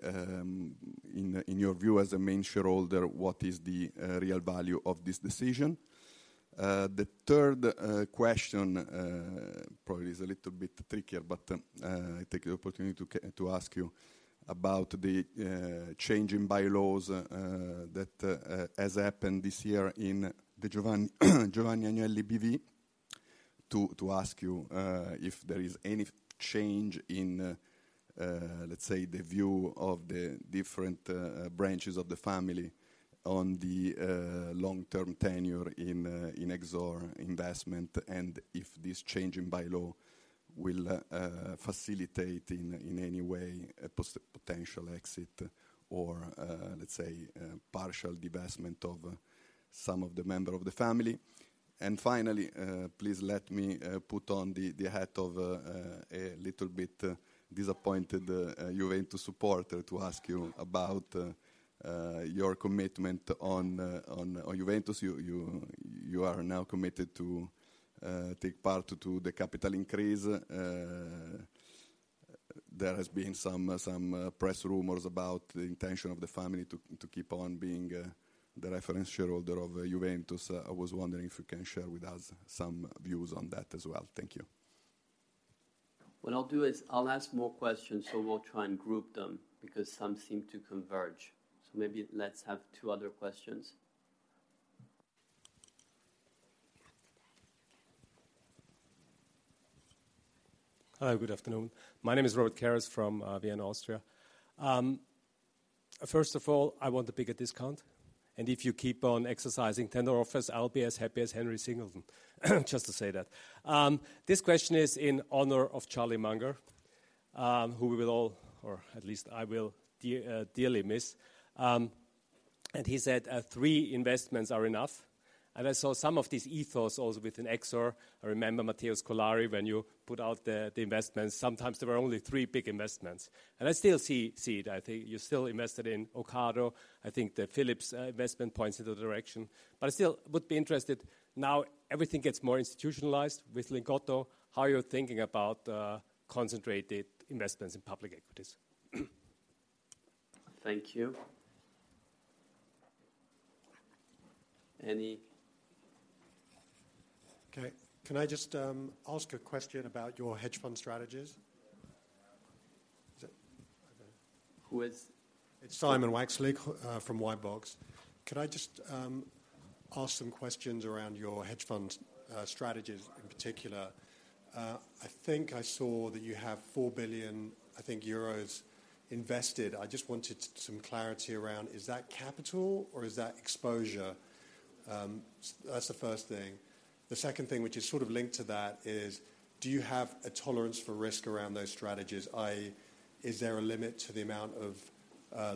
in your view as a main shareholder, what is the real value of this decision? The third question probably is a little bit trickier, but I take the opportunity to ask you about the change in bylaws that has happened this year in the Giovanni, Giovanni Agnelli B.V. To ask you if there is any change in, let's say, the view of the different branches of the family on the long-term tenure in Exor investment, and if this change in bylaw will facilitate in any way a potential exit or, let's say, a partial divestment of some of the member of the family. And finally, please let me put on the hat of a little bit disappointed Juventus supporter, to ask you about your commitment on Juventus. You are now committed to take part to the capital increase. There has been some press rumors about the intention of the family to keep on being the reference shareholder of Juventus. I was wondering if you can share with us some views on that as well? Thank you. What I'll do is I'll ask more questions, so we'll try and group them, because some seem to converge. So maybe let's have two other questions. Hi, good afternoon. My name is Robert Karas from Vienna, Austria. First of all, I want a bigger discount, and if you keep on exercising tender offers, I'll be as happy as Henry Singleton, just to say that. This question is in honor of Charlie Munger, who we will all, or at least I will dearly miss. And he said, "Three investments are enough," and I saw some of this ethos also within Exor. I remember Matteo Scolari, when you put out the investments, sometimes there were only three big investments. And I still see, see it. I think you're still invested in Ocado. I think the Philips investment points in the direction. But I still would be interested, now everything gets more institutionalized with Lingotto, how you're thinking about concentrated investments in public equities? Thank you. Any... Okay. Can I just, ask a question about your hedge fund strategies? Who is- It's Simon Waxley from Whitebox. Could I just ask some questions around your hedge fund strategies in particular? I think I saw that you have 4 billion, I think, invested. I just wanted some clarity around: Is that capital or is that exposure? That's the first thing. The second thing, which is sort of linked to that, is: Do you have a tolerance for risk around those strategies, i.e., is there a limit to the amount of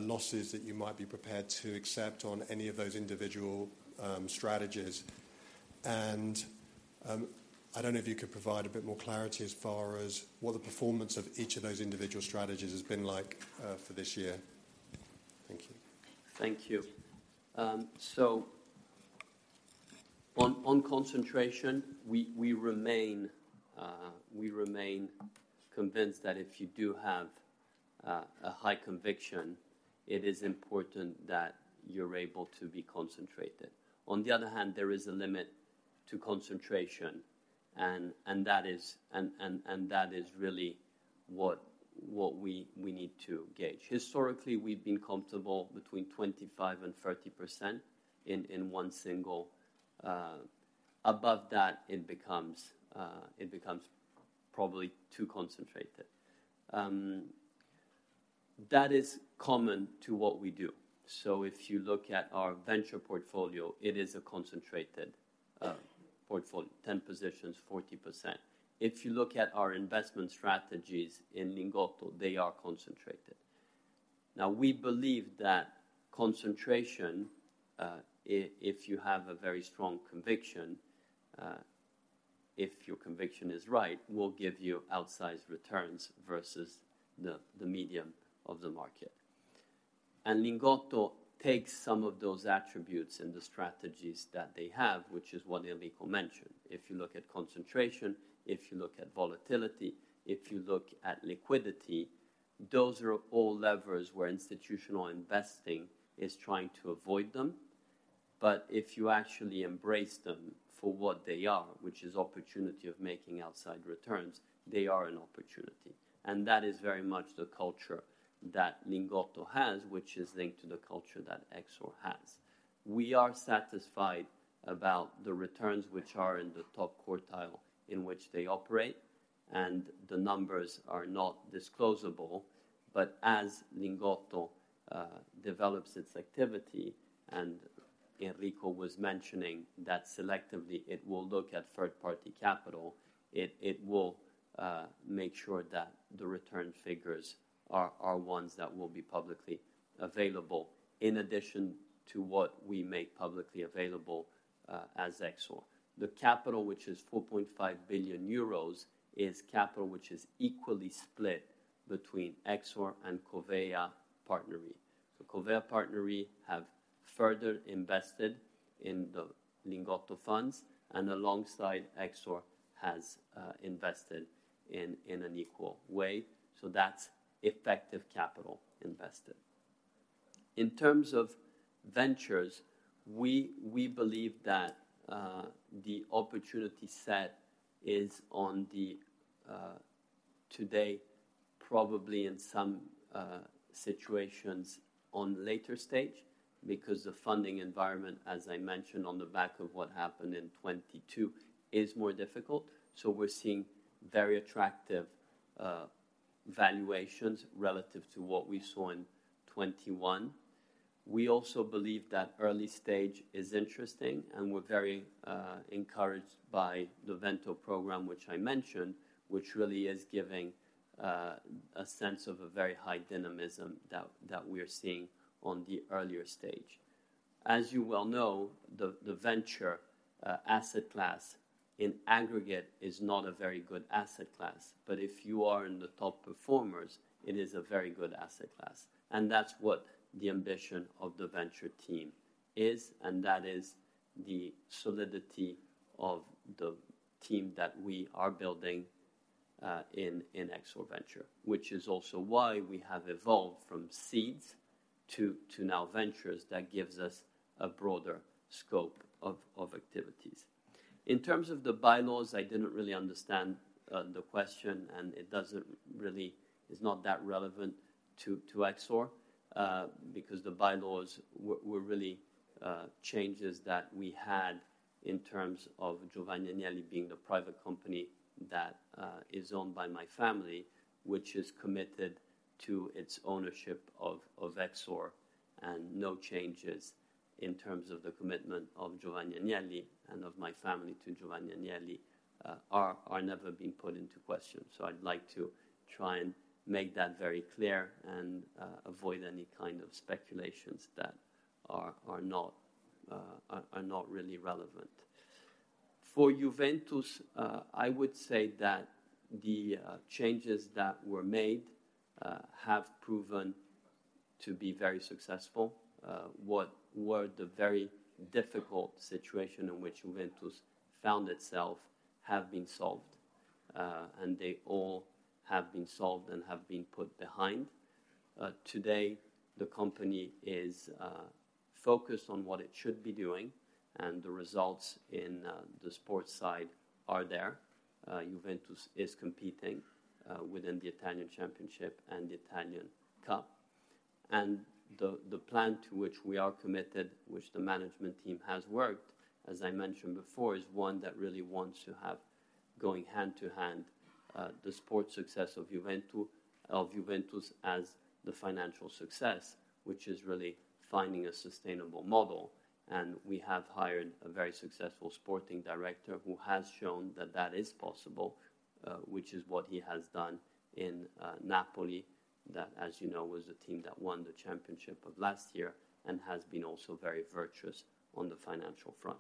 losses that you might be prepared to accept on any of those individual strategies? And I don't know if you could provide a bit more clarity as far as what the performance of each of those individual strategies has been like for this year. Thank you. Thank you. So on, on concentration, we, we remain, we remain convinced that if you do have, a high conviction, it is important that you're able to be concentrated. On the other hand, there is a limit to concentration, and, and that is, and, and, and that is really what, what we, we need to gauge. Historically, we've been comfortable between 25% and 30% in, in one single. Above that, it becomes, it becomes probably too concentrated. That is common to what we do. So if you look at our venture portfolio, it is a concentrated, portfolio, 10 positions, 40%. If you look at our investment strategies in Lingotto, they are concentrated. Now, we believe that concentration, if you have a very strong conviction, if your conviction is right, will give you outsized returns versus the, the medium of the market. Lingotto takes some of those attributes and the strategies that they have, which is what Enrico mentioned. If you look at concentration, if you look at volatility, if you look at liquidity, those are all levers where institutional investing is trying to avoid them. But if you actually embrace them for what they are, which is opportunity of making outside returns, they are an opportunity. That is very much the culture that Lingotto has, which is linked to the culture that Exor has. We are satisfied about the returns which are in the top quartile in which they operate, and the numbers are not disclosable. But as Lingotto develops its activity, and Enrico was mentioning that selectively it will look at third-party capital, it will make sure that the return figures are ones that will be publicly available, in addition to what we make publicly available as Exor. The capital, which is 4.5 billion euros, is capital which is equally split between Exor and Covéa PartnerRe. So Covéa PartnerRe have further invested in the Lingotto funds, and alongside Exor has invested in an equal way, so that's effective capital invested. In terms of Ventures, we believe that the opportunity set is on today, probably in some situations on later stage, because the funding environment, as I mentioned, on the back of what happened in 2022, is more difficult. So we're seeing very attractive valuations relative to what we saw in 2021. We also believe that early stage is interesting, and we're very encouraged by the Vento program, which I mentioned, which really is giving a sense of a very high dynamism that, that we are seeing on the earlier stage. As you well know, the, the venture asset class in aggregate is not a very good asset class, but if you are in the top performers, it is a very good asset class, and that's what the ambition of the venture team is, and that is the solidity of the team that we are building in, in Exor Ventures, which is also why we have evolved from seeds to, to now Ventures. That gives us a broader scope of, of activities. In terms of the bylaws, I didn't really understand the question, and it doesn't really, it's not that relevant to Exor, because the bylaws were really changes that we had in terms of Giovanni Agnelli being the private company that is owned by my family, which is committed to its ownership of Exor, and no changes in terms of the commitment of Giovanni Agnelli and of my family to Giovanni Agnelli are never being put into question. So I'd like to try and make that very clear and avoid any kind of speculations that are not really relevant. For Juventus, I would say that the changes that were made have proven to be very successful. What were the very difficult situation in which Juventus found itself have been solved, and they all have been solved and have been put behind. Today, the company is focused on what it should be doing, and the results in the sports side are there. Juventus is competing within the Italian Championship and the Italian Cup. The plan to which we are committed, which the management team has worked, as I mentioned before, is one that really wants to have going hand to hand the sports success of Juventus of Juventus as the financial success, which is really finding a sustainable model. We have hired a very successful sporting director who has shown that that is possible, which is what he has done in Napoli. That, as you know, was the team that won the championship of last year and has been also very virtuous on the financial front.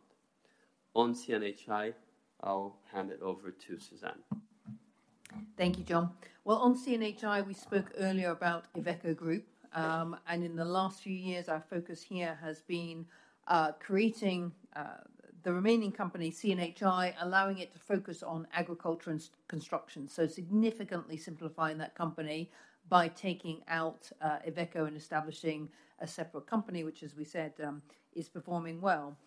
On CNHI, I'll hand it over to Suzanne. Thank you, John. Well, on CNHI, we spoke earlier about Iveco Group. In the last few years, our focus here has been creating the remaining company, CNHI, allowing it to focus on agriculture and construction. Significantly simplifying that company by taking out Iveco and establishing a separate company, which, as we said, is performing well.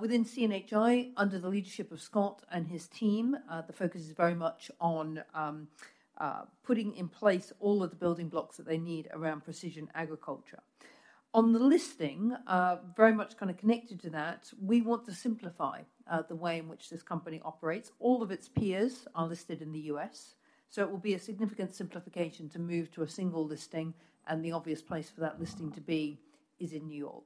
Within CNHI, under the leadership of Scott and his team, the focus is very much on putting in place all of the building blocks that they need around precision agriculture. On the listing, very much kind of connected to that, we want to simplify the way in which this company operates. All of its peers are listed in the U.S., so it will be a significant simplification to move to a single listing, and the obvious place for that listing to be is in New York.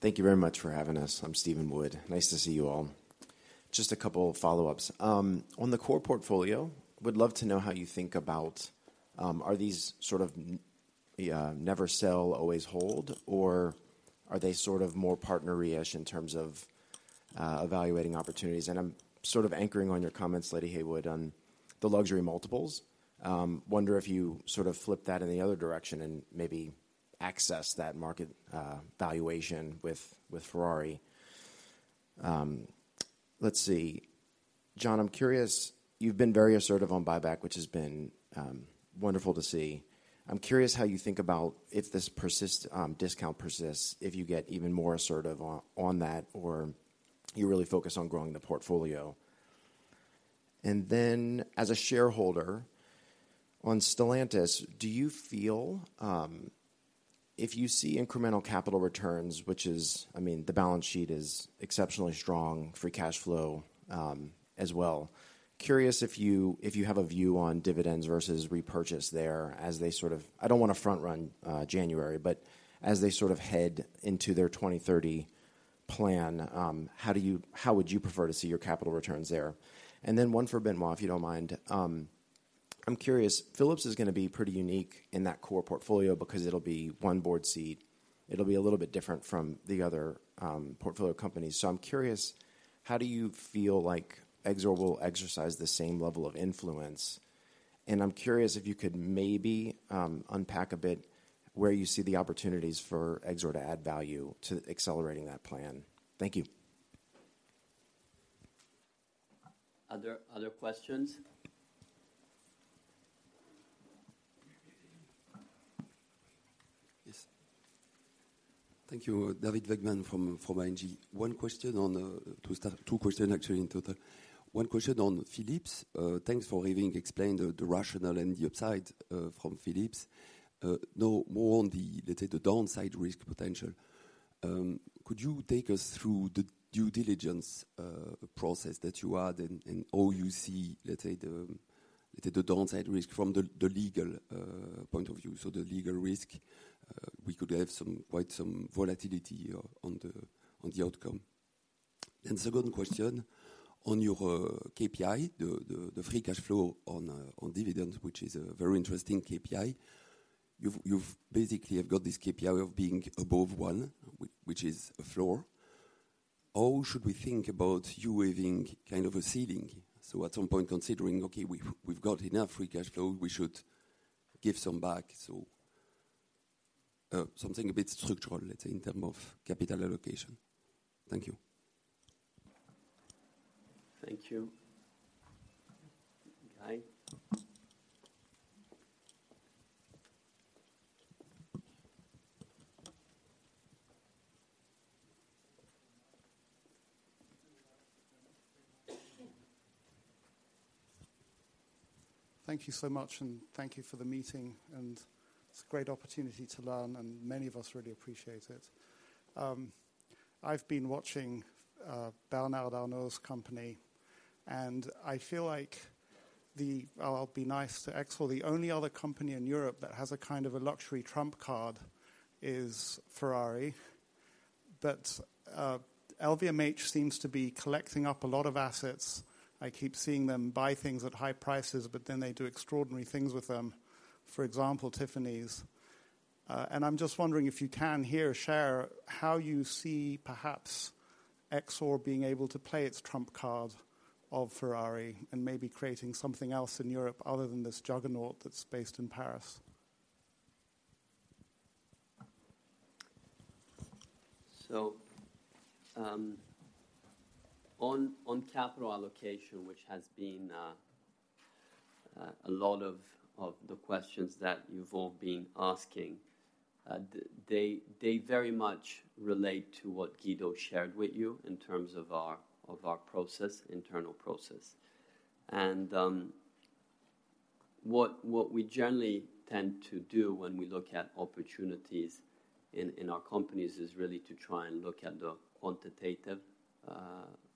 Thank you very much for having us. I'm Steven Wood. Nice to see you all. Just a couple of follow-ups. On the core portfolio, would love to know how you think about. Are these sort of, never sell, always hold, or are they sort of more partner-y-ish in terms of, evaluating opportunities? And I'm sort of anchoring on your comments, Lady Heywood, on the luxury multiples. Wonder if you sort of flip that in the other direction and maybe access that market, valuation with, with Ferrari. Let's see. John, I'm curious, you've been very assertive on buyback, which has been, wonderful to see. I'm curious how you think about if this persistence discount persists, if you get even more assertive on, on that or you really focus on growing the portfolio. As a shareholder, on Stellantis, do you feel if you see incremental capital returns, which is, I mean, the balance sheet is exceptionally strong, free cash flow, as well. Curious if you, if you have a view on dividends versus repurchase there as they sort of, I don't want to front run January, but as they sort of head into their 20/30 plan, how do you, how would you prefer to see your capital returns there? And then one for Benoît, if you don't mind. I'm curious, Philips is going to be pretty unique in that core portfolio because it'll be one board seat. It'll be a little bit different from the other, portfolio companies. So I'm curious, how do you feel like Exor will exercise the same level of influence? I'm curious if you could maybe unpack a bit where you see the opportunities for Exor to add value to accelerating that plan. Thank you. Other, other questions? Yes. Thank you. David Vagman from ING. One question on, to start—two questions actually in total. One question on Philips. Thanks for having explained the rationale and the upside from Philips. Now more on the, let's say, the downside risk potential. Could you take us through the due diligence process that you had and all you see, let's say, the downside risk from the legal point of view? So the legal risk, we could have some, quite some volatility on the outcome. And second question on your KPI, the free cash flow on dividends, which is a very interesting KPI. You've basically have got this KPI of being above one, which is a floor. How should we think about you having kind of a ceiling? So at some point, considering, okay, we've got enough free cash flow, we should give some back, so, something a bit structural, let's say, in terms of capital allocation. Thank you. Thank you. Thank you so much, and thank you for the meeting, and it's a great opportunity to learn, and many of us really appreciate it. I've been watching Bernard Arnault's company, and I feel like the... I'll be nice to Exor. The only other company in Europe that has a kind of a luxury trump card is Ferrari. But LVMH seems to be collecting up a lot of assets. I keep seeing them buy things at high prices, but then they do extraordinary things with them, for example, Tiffany's. And I'm just wondering if you can here share how you see, perhaps, Exor being able to play its trump card of Ferrari and maybe creating something else in Europe other than this juggernaut that's based in Paris. So, on capital allocation, which has been a lot of the questions that you've all been asking, they very much relate to what Guido shared with you in terms of our internal process. And, what we generally tend to do when we look at opportunities in our companies is really to try and look at the quantitative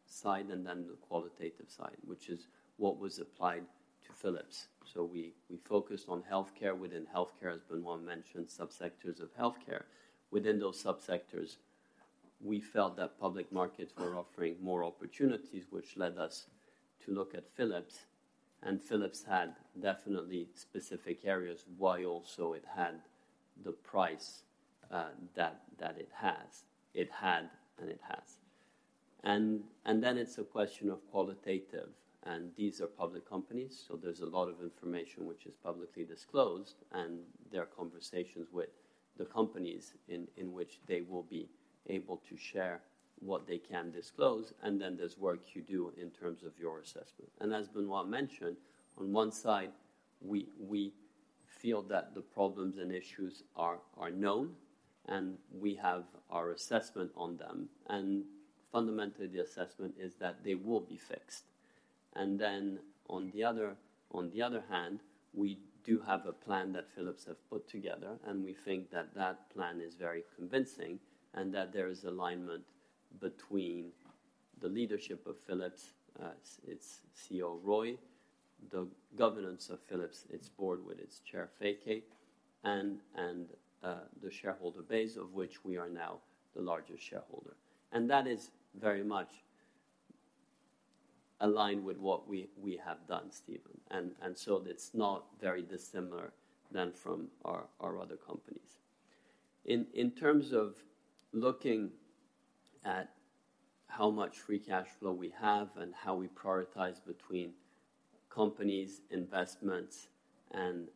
side and then the qualitative side, which is what was applied to Philips. So we focused on healthcare. Within healthcare, as Benoît mentioned, subsectors of healthcare. Within those subsectors, we felt that public markets were offering more opportunities, which led us to look at Philips, and Philips had definitely specific areas, while also it had the price that it has. It had, and it has. Then it's a question of qualitative, and these are public companies, so there's a lot of information which is publicly disclosed, and there are conversations with the companies in which they will be able to share what they can disclose, and then there's work you do in terms of your assessment. As Benoît mentioned, on one side, we feel that the problems and issues are known, and we have our assessment on them. Fundamentally, the assessment is that they will be fixed. And then on the other, on the other hand, we do have a plan that Philips have put together, and we think that that plan is very convincing and that there is alignment between the leadership of Philips, its CEO, Roy, the governance of Philips, its board with its chair, Feike, and the shareholder base, of which we are now the largest shareholder. And that is very much aligned with what we have done, Stephen, and so it's not very dissimilar than from our other companies. In terms of looking at how much free cash flow we have and how we prioritize between companies, investments, and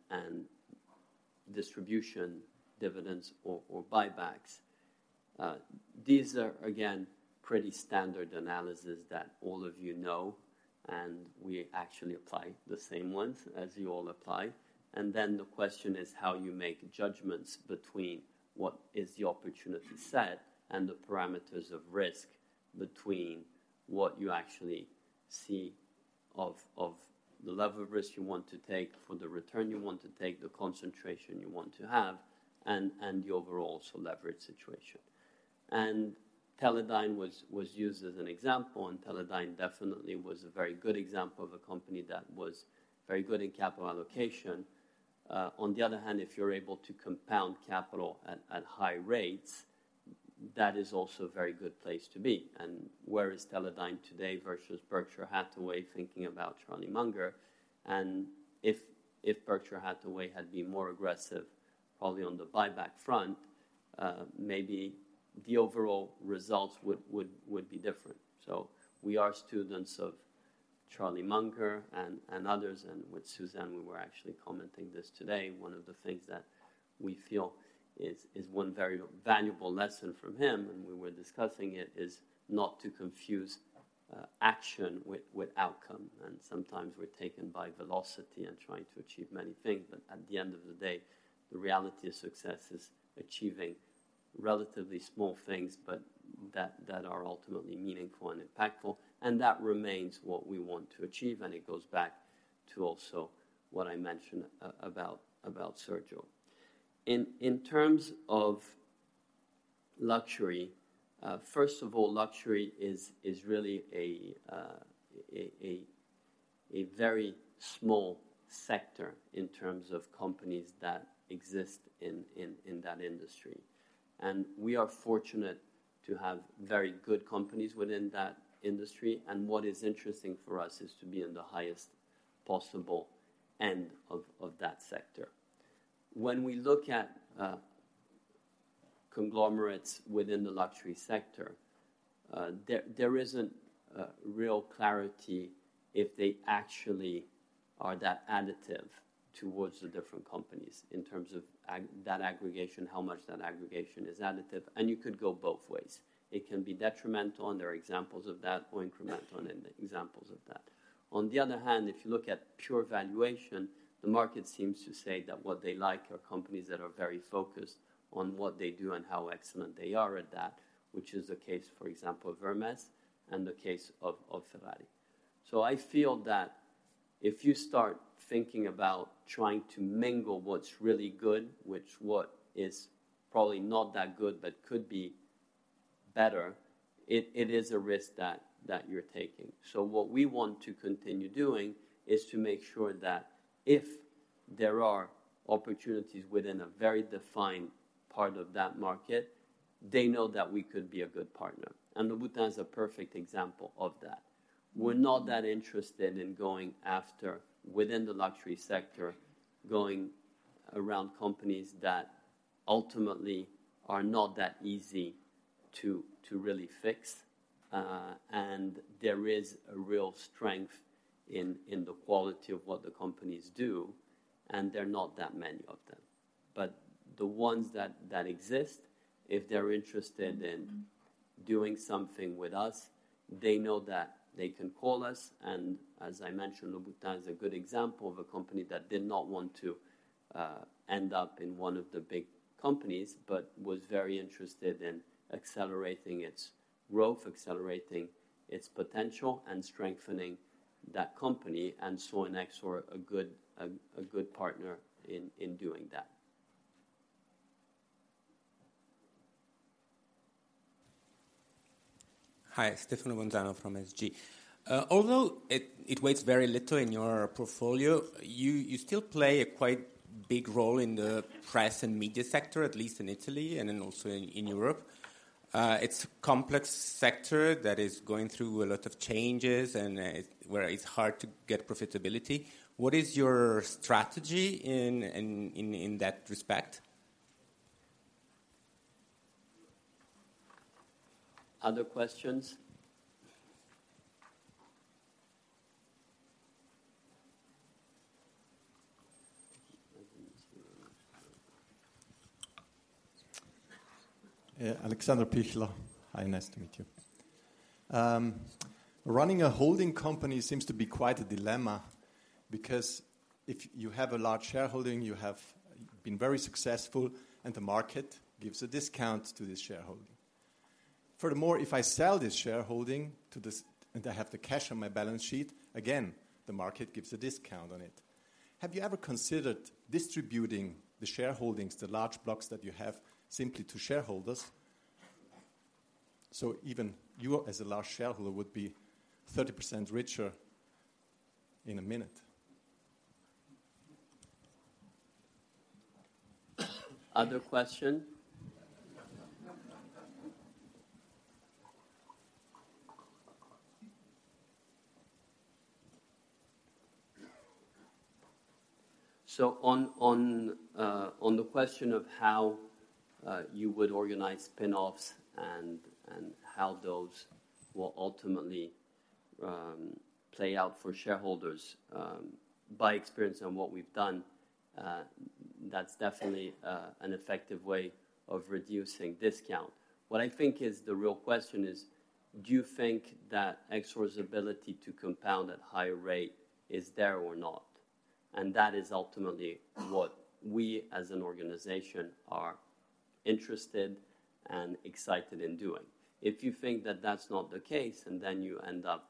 distribution, dividends or buybacks, these are, again, pretty standard analysis that all of you know, and we actually apply the same ones as you all apply. Then the question is how you make judgments between what is the opportunity set and the parameters of risk between what you actually see of the level of risk you want to take for the return you want to take, the concentration you want to have, and the overall so leverage situation. Teledyne was used as an example, and Teledyne definitely was a very good example of a company that was very good in capital allocation. On the other hand, if you're able to compound capital at high rates, that is also a very good place to be. Where is Teledyne today versus Berkshire Hathaway, thinking about Charlie Munger? If Berkshire Hathaway had been more aggressive, probably on the buyback front, maybe the overall results would be different. So we are students of Charlie Munger and others, and with Suzanne, we were actually commenting this today. One of the things that we feel is one very valuable lesson from him, and we were discussing it, is not to confuse action with outcome. And sometimes we're taken by velocity and trying to achieve many things, but at the end of the day, the reality of success is achieving relatively small things, but that are ultimately meaningful and impactful, and that remains what we want to achieve, and it goes back to also what I mentioned about Sergio. In terms of luxury, first of all, luxury is really a very small sector in terms of companies that exist in that industry. And we are fortunate to have very good companies within that industry, and what is interesting for us is to be in the highest possible end of that sector. When we look at conglomerates within the luxury sector, there isn't real clarity if they actually are that additive towards the different companies in terms of that aggregation, how much that aggregation is additive, and you could go both ways. It can be detrimental, and there are examples of that, or incremental, and examples of that. On the other hand, if you look at pure valuation, the market seems to say that what they like are companies that are very focused on what they do and how excellent they are at that, which is the case, for example, Hermès, and the case of Ferrari. So I feel that if you start thinking about trying to mingle what's really good with what is probably not that good, but could be better, it is a risk that you're taking. So what we want to continue doing is to make sure that if there are opportunities within a very defined part of that market, they know that we could be a good partner, and Louis Vuitton is a perfect example of that. We're not that interested in going after, within the luxury sector, going around companies that ultimately are not that easy to really fix, and there is a real strength in the quality of what the companies do, and there are not that many of them. But the ones that exist, if they're interested in doing something with us, they know that they can call us, and as I mentioned, Louis Vuitton is a good example of a company that did not want to end up in one of the big companies, but was very interested in accelerating its growth, accelerating its potential, and strengthening that company, and saw in Exor a good partner in doing that. Hi, Stefano Bonzano from SG. Although it weighs very little in your portfolio, you still play a quite big role in the press and media sector, at least in Italy and then also in Europe. It's a complex sector that is going through a lot of changes, and where it's hard to get profitability. What is your strategy in that respect? Other questions? Alexander Pichler. Hi, nice to meet you. Running a holding company seems to be quite a dilemma because if you have a large shareholding, you have been very successful, and the market gives a discount to this shareholding. Furthermore, if I sell this shareholding to this and I have the cash on my balance sheet, again, the market gives a discount on it. Have you ever considered distributing the shareholdings, the large blocks that you have, simply to shareholders? So even you, as a large shareholder, would be 30% richer in a minute. Other question? So on the question of how you would organize spin-offs and how those will ultimately play out for shareholders, by experience on what we've done, that's definitely an effective way of reducing discount. What I think is the real question is: Do you think that Exor's ability to compound at higher rate is there or not? And that is ultimately what we, as an organization, are interested and excited in doing. If you think that that's not the case, and then you end up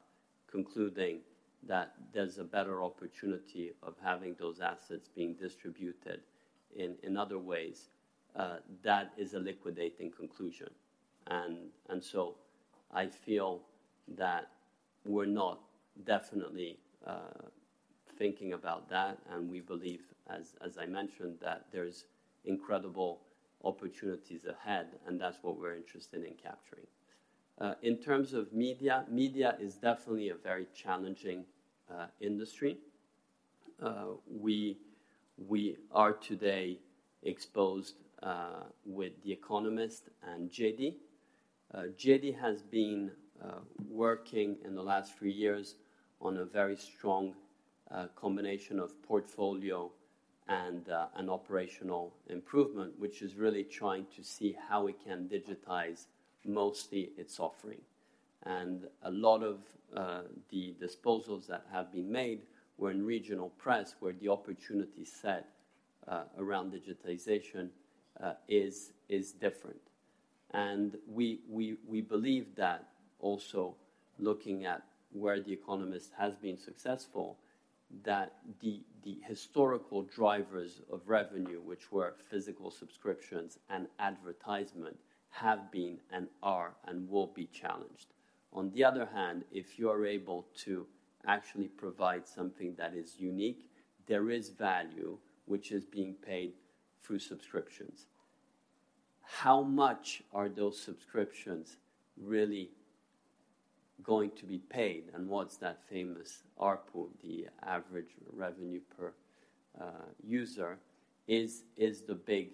concluding that there's a better opportunity of having those assets being distributed in other ways, that is a liquidating conclusion. And so I feel that we're not definitely thinking about that, and we believe, as I mentioned, that there's incredible opportunities ahead, and that's what we're interested in capturing. In terms of media, media is definitely a very challenging industry. We are today exposed with The Economist and GEDI. GEDI has been working in the last three years on a very strong combination of portfolio and an operational improvement, which is really trying to see how we can digitize mostly its offering. And a lot of the disposals that have been made were in regional press, where the opportunity set around digitization is different. And we believe that also looking at where The Economist has been successful, that the historical drivers of revenue, which were physical subscriptions and advertisement, have been and are and will be challenged. On the other hand, if you are able to actually provide something that is unique, there is value which is being paid through subscriptions. How much are those subscriptions really going to be paid, and what's that famous ARPU, the average revenue per user, is the big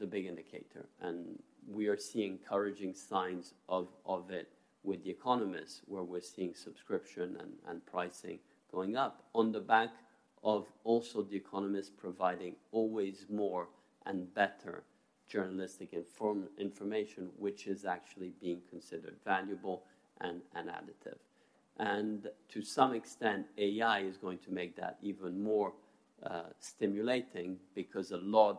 indicator. And we are seeing encouraging signs of it with The Economist, where we're seeing subscription and pricing going up on the back of also The Economist providing always more and better journalistic information, which is actually being considered valuable and an additive. And to some extent, AI is going to make that even more stimulating because a lot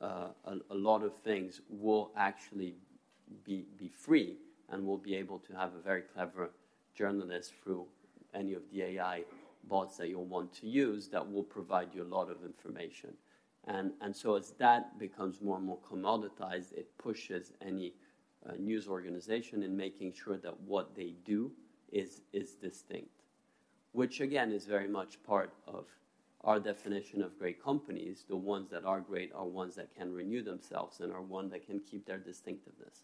of things will actually be free and will be able to have a very clever journalist through any of the AI bots that you'll want to use that will provide you a lot of information. And so as that becomes more and more commoditized, it pushes any news organization in making sure that what they do is distinct. Which again is very much part of our definition of great companies. The ones that are great are ones that can renew themselves and are one that can keep their distinctiveness.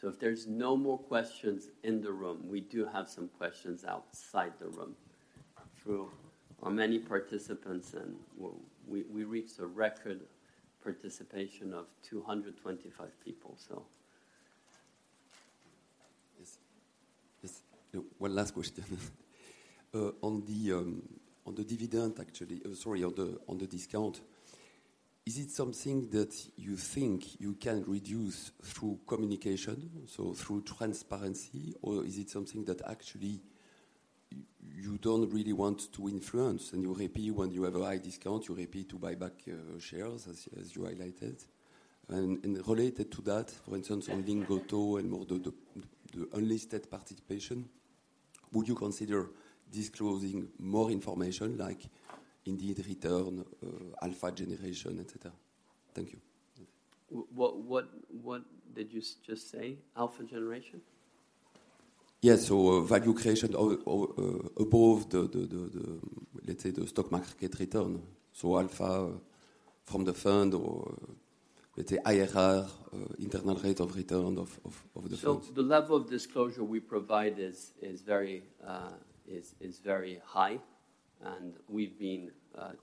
So if there's no more questions in the room, we do have some questions outside the room through our many participants, and we reached a record participation of 225 people, so. Yes. Yes, one last question. On the discount, is it something that you think you can reduce through communication, so through transparency? Or is it something that actually you don't really want to influence and you repeat when you have a high discount, you repeat to buy back shares, as you highlighted? And related to that, for instance, on Lingotto and more the unlisted participation? Would you consider disclosing more information, like indeed return, alpha generation, et cetera? Thank you. What did you just say? Alpha generation? Yes, so, value creation above the, let's say, the stock market return. So alpha from the fund or, let's say, IRR, internal rate of return of the fund. So the level of disclosure we provide is very high, and we've been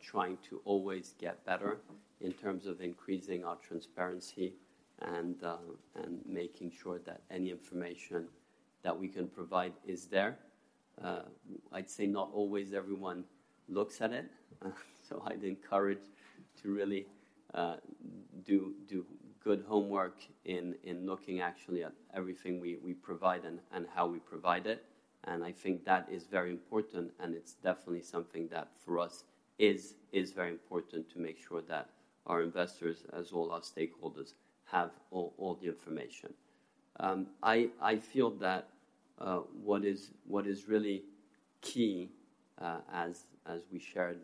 trying to always get better in terms of increasing our transparency and making sure that any information that we can provide is there. I'd say not always everyone looks at it, so I'd encourage to really do good homework in looking actually at everything we provide and how we provide it. And I think that is very important, and it's definitely something that for us is very important to make sure that our investors, as well as our stakeholders, have all the information. I feel that what is really key, as we shared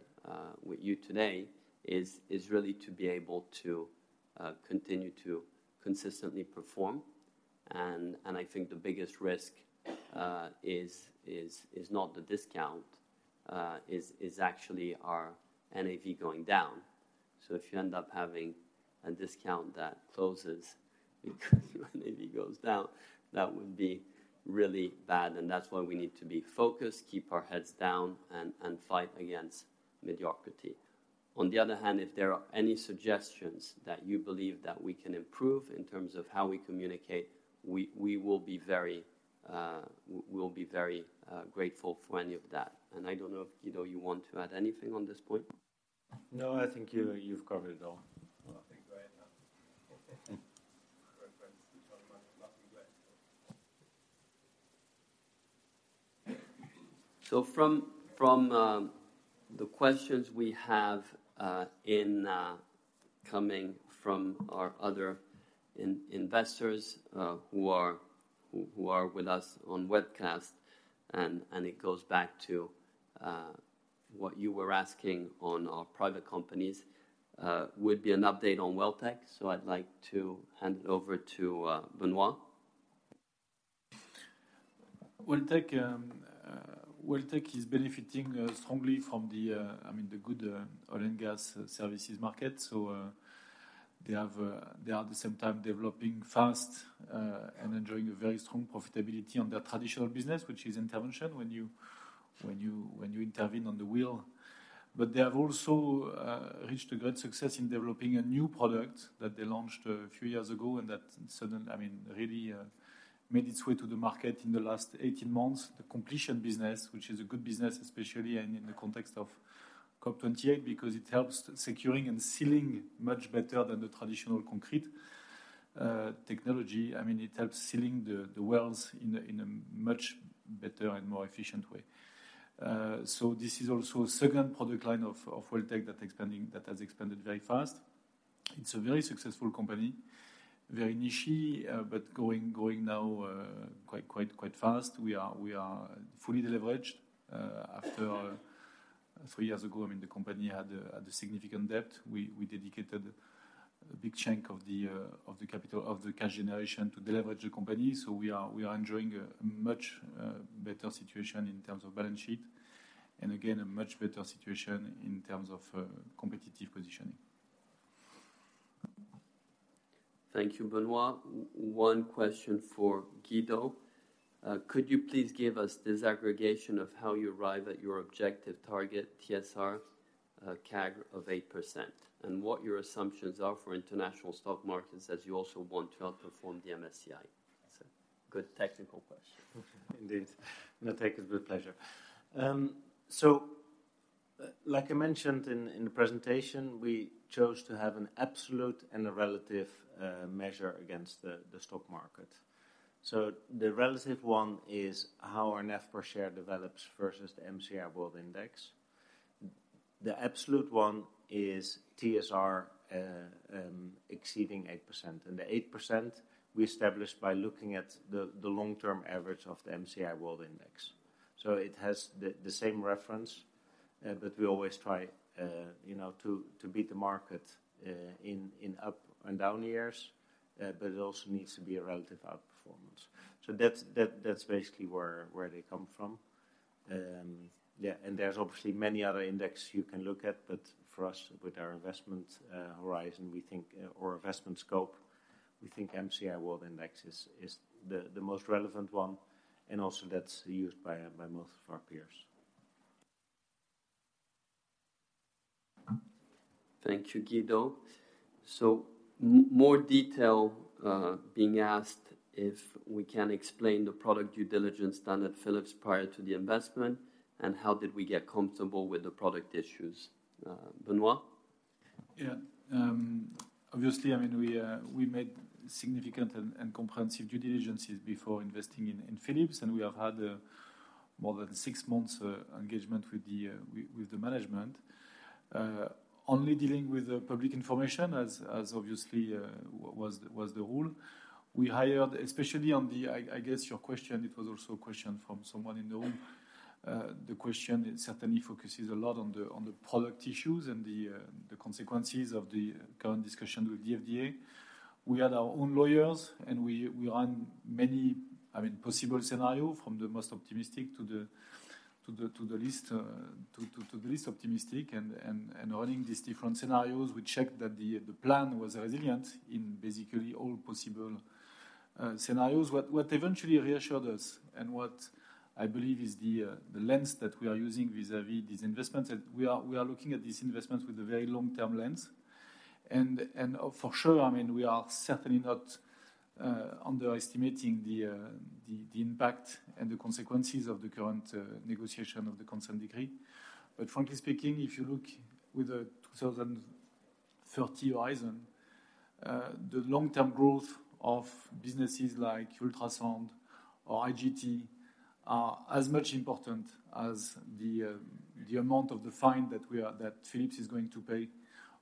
with you today, is really to be able to continue to consistently perform. And I think the biggest risk is not the discount, is actually our NAV going down. So if you end up having a discount that closes because your NAV goes down, that would be really bad, and that's why we need to be focused, keep our heads down, and fight against mediocrity. On the other hand, if there are any suggestions that you believe that we can improve in terms of how we communicate, we will be very, we'll be very grateful for any of that. And I don't know if, Guido, you want to add anything on this point? No, I think you've covered it all. I think go ahead now. Reference each other, but go ahead. So the questions we have coming from our other investors, who are with us on webcast, and it goes back to what you were asking on our private companies, would be an update on Welltec. So I'd like to hand it over to Benoît. Welltec is benefiting strongly from, I mean, the good oil and gas services market. So, they are at the same time developing fast and enjoying a very strong profitability on their traditional business, which is intervention, when you intervene on the well. But they have also reached a great success in developing a new product that they launched a few years ago, and that I mean, really, made its way to the market in the last 18 months. The completion business, which is a good business, especially and in the context of COP28, because it helps securing and sealing much better than the traditional concrete technology. I mean, it helps sealing the wells in a much better and more efficient way. So this is also a second product line of Welltec that has expanded very fast. It's a very successful company. Very nichey, but going now quite fast. We are fully leveraged. After three years ago, I mean, the company had a significant debt. We dedicated a big chunk of the cash generation to deleverage the company. So we are enjoying a much better situation in terms of balance sheet, and again, a much better situation in terms of competitive positioning. Thank you, Benoît. One question for Guido. Could you please give us disaggregation of how you arrive at your objective target, TSR/CAGR of 8%, and what your assumptions are for international stock markets as you also want to outperform the MSCI? It's a good technical question. Indeed. And I'll take it with pleasure. So like I mentioned in the presentation, we chose to have an absolute and a relative measure against the stock market. So the relative one is how our net per share develops versus the MSCI World Index. The absolute one is TSR exceeding 8%. And the 8% we established by looking at the long-term average of the MSCI World Index. So it has the same reference, but we always try, you know, to beat the market in up and down years, but it also needs to be a relative outperformance. So that's basically where they come from. Yeah, and there's obviously many other index you can look at, but for us, with our investment horizon, we think or investment scope, we think MSCI World Index is the most relevant one, and also that's used by most of our peers. Thank you, Guido. So more detail being asked if we can explain the product due diligence done at Philips prior to the investment, and how did we get comfortable with the product issues? Benoît? Yeah. Obviously, I mean, we made significant and comprehensive due diligences before investing in Philips, and we have had more than six months engagement with the management, only dealing with the public information, as obviously was the rule. We hired, especially on the, I guess, your question, it was also a question from someone in the room. The question certainly focuses a lot on the product issues and the consequences of the current discussion with the FDA. We had our own lawyers, and we run many, I mean, possible scenario, from the most optimistic to the least optimistic. Running these different scenarios, we checked that the plan was resilient in basically all possible scenarios. What eventually reassured us and what I believe is the lens that we are using vis-a-vis these investments, that we are looking at these investments with a very long-term lens. For sure, I mean, we are certainly not underestimating the impact and the consequences of the current negotiation of the consent decree. But frankly speaking, if you look with the 2030 horizon, the long-term growth of businesses like Ultrasound or IGT are as much important as the amount of the fine that Philips is going to pay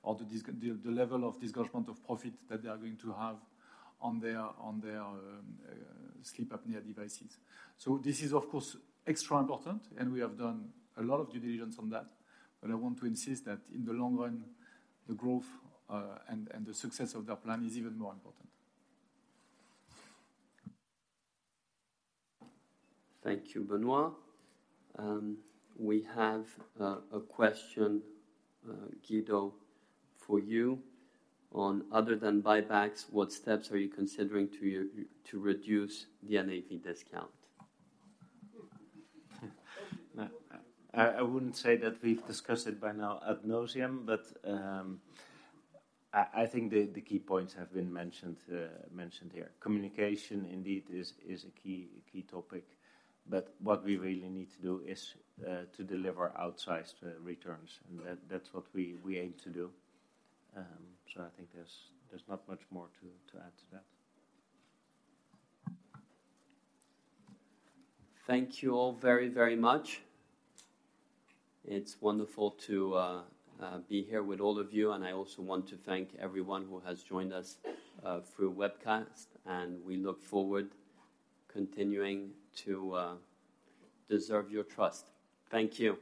or the level of disgorgement of profit that they are going to have on their sleep apnea devices. So this is, of course, extra important, and we have done a lot of due diligence on that. But I want to insist that in the long run, the growth and the success of that plan is even more important. Thank you, Benoît. We have a question, Guido, for you on: other than buybacks, what steps are you considering to reduce the NAV discount? I, I wouldn't say that we've discussed it by now ad nauseam, but, I, I think the, the key points have been mentioned, mentioned here. Communication, indeed, is, is a key, key topic, but what we really need to do is, to deliver outsized, returns, and that's what we, we aim to do. So I think there's, there's not much more to, to add to that. Thank you all very, very much. It's wonderful to be here with all of you, and I also want to thank everyone who has joined us through webcast, and we look forward continuing to deserve your trust. Thank you.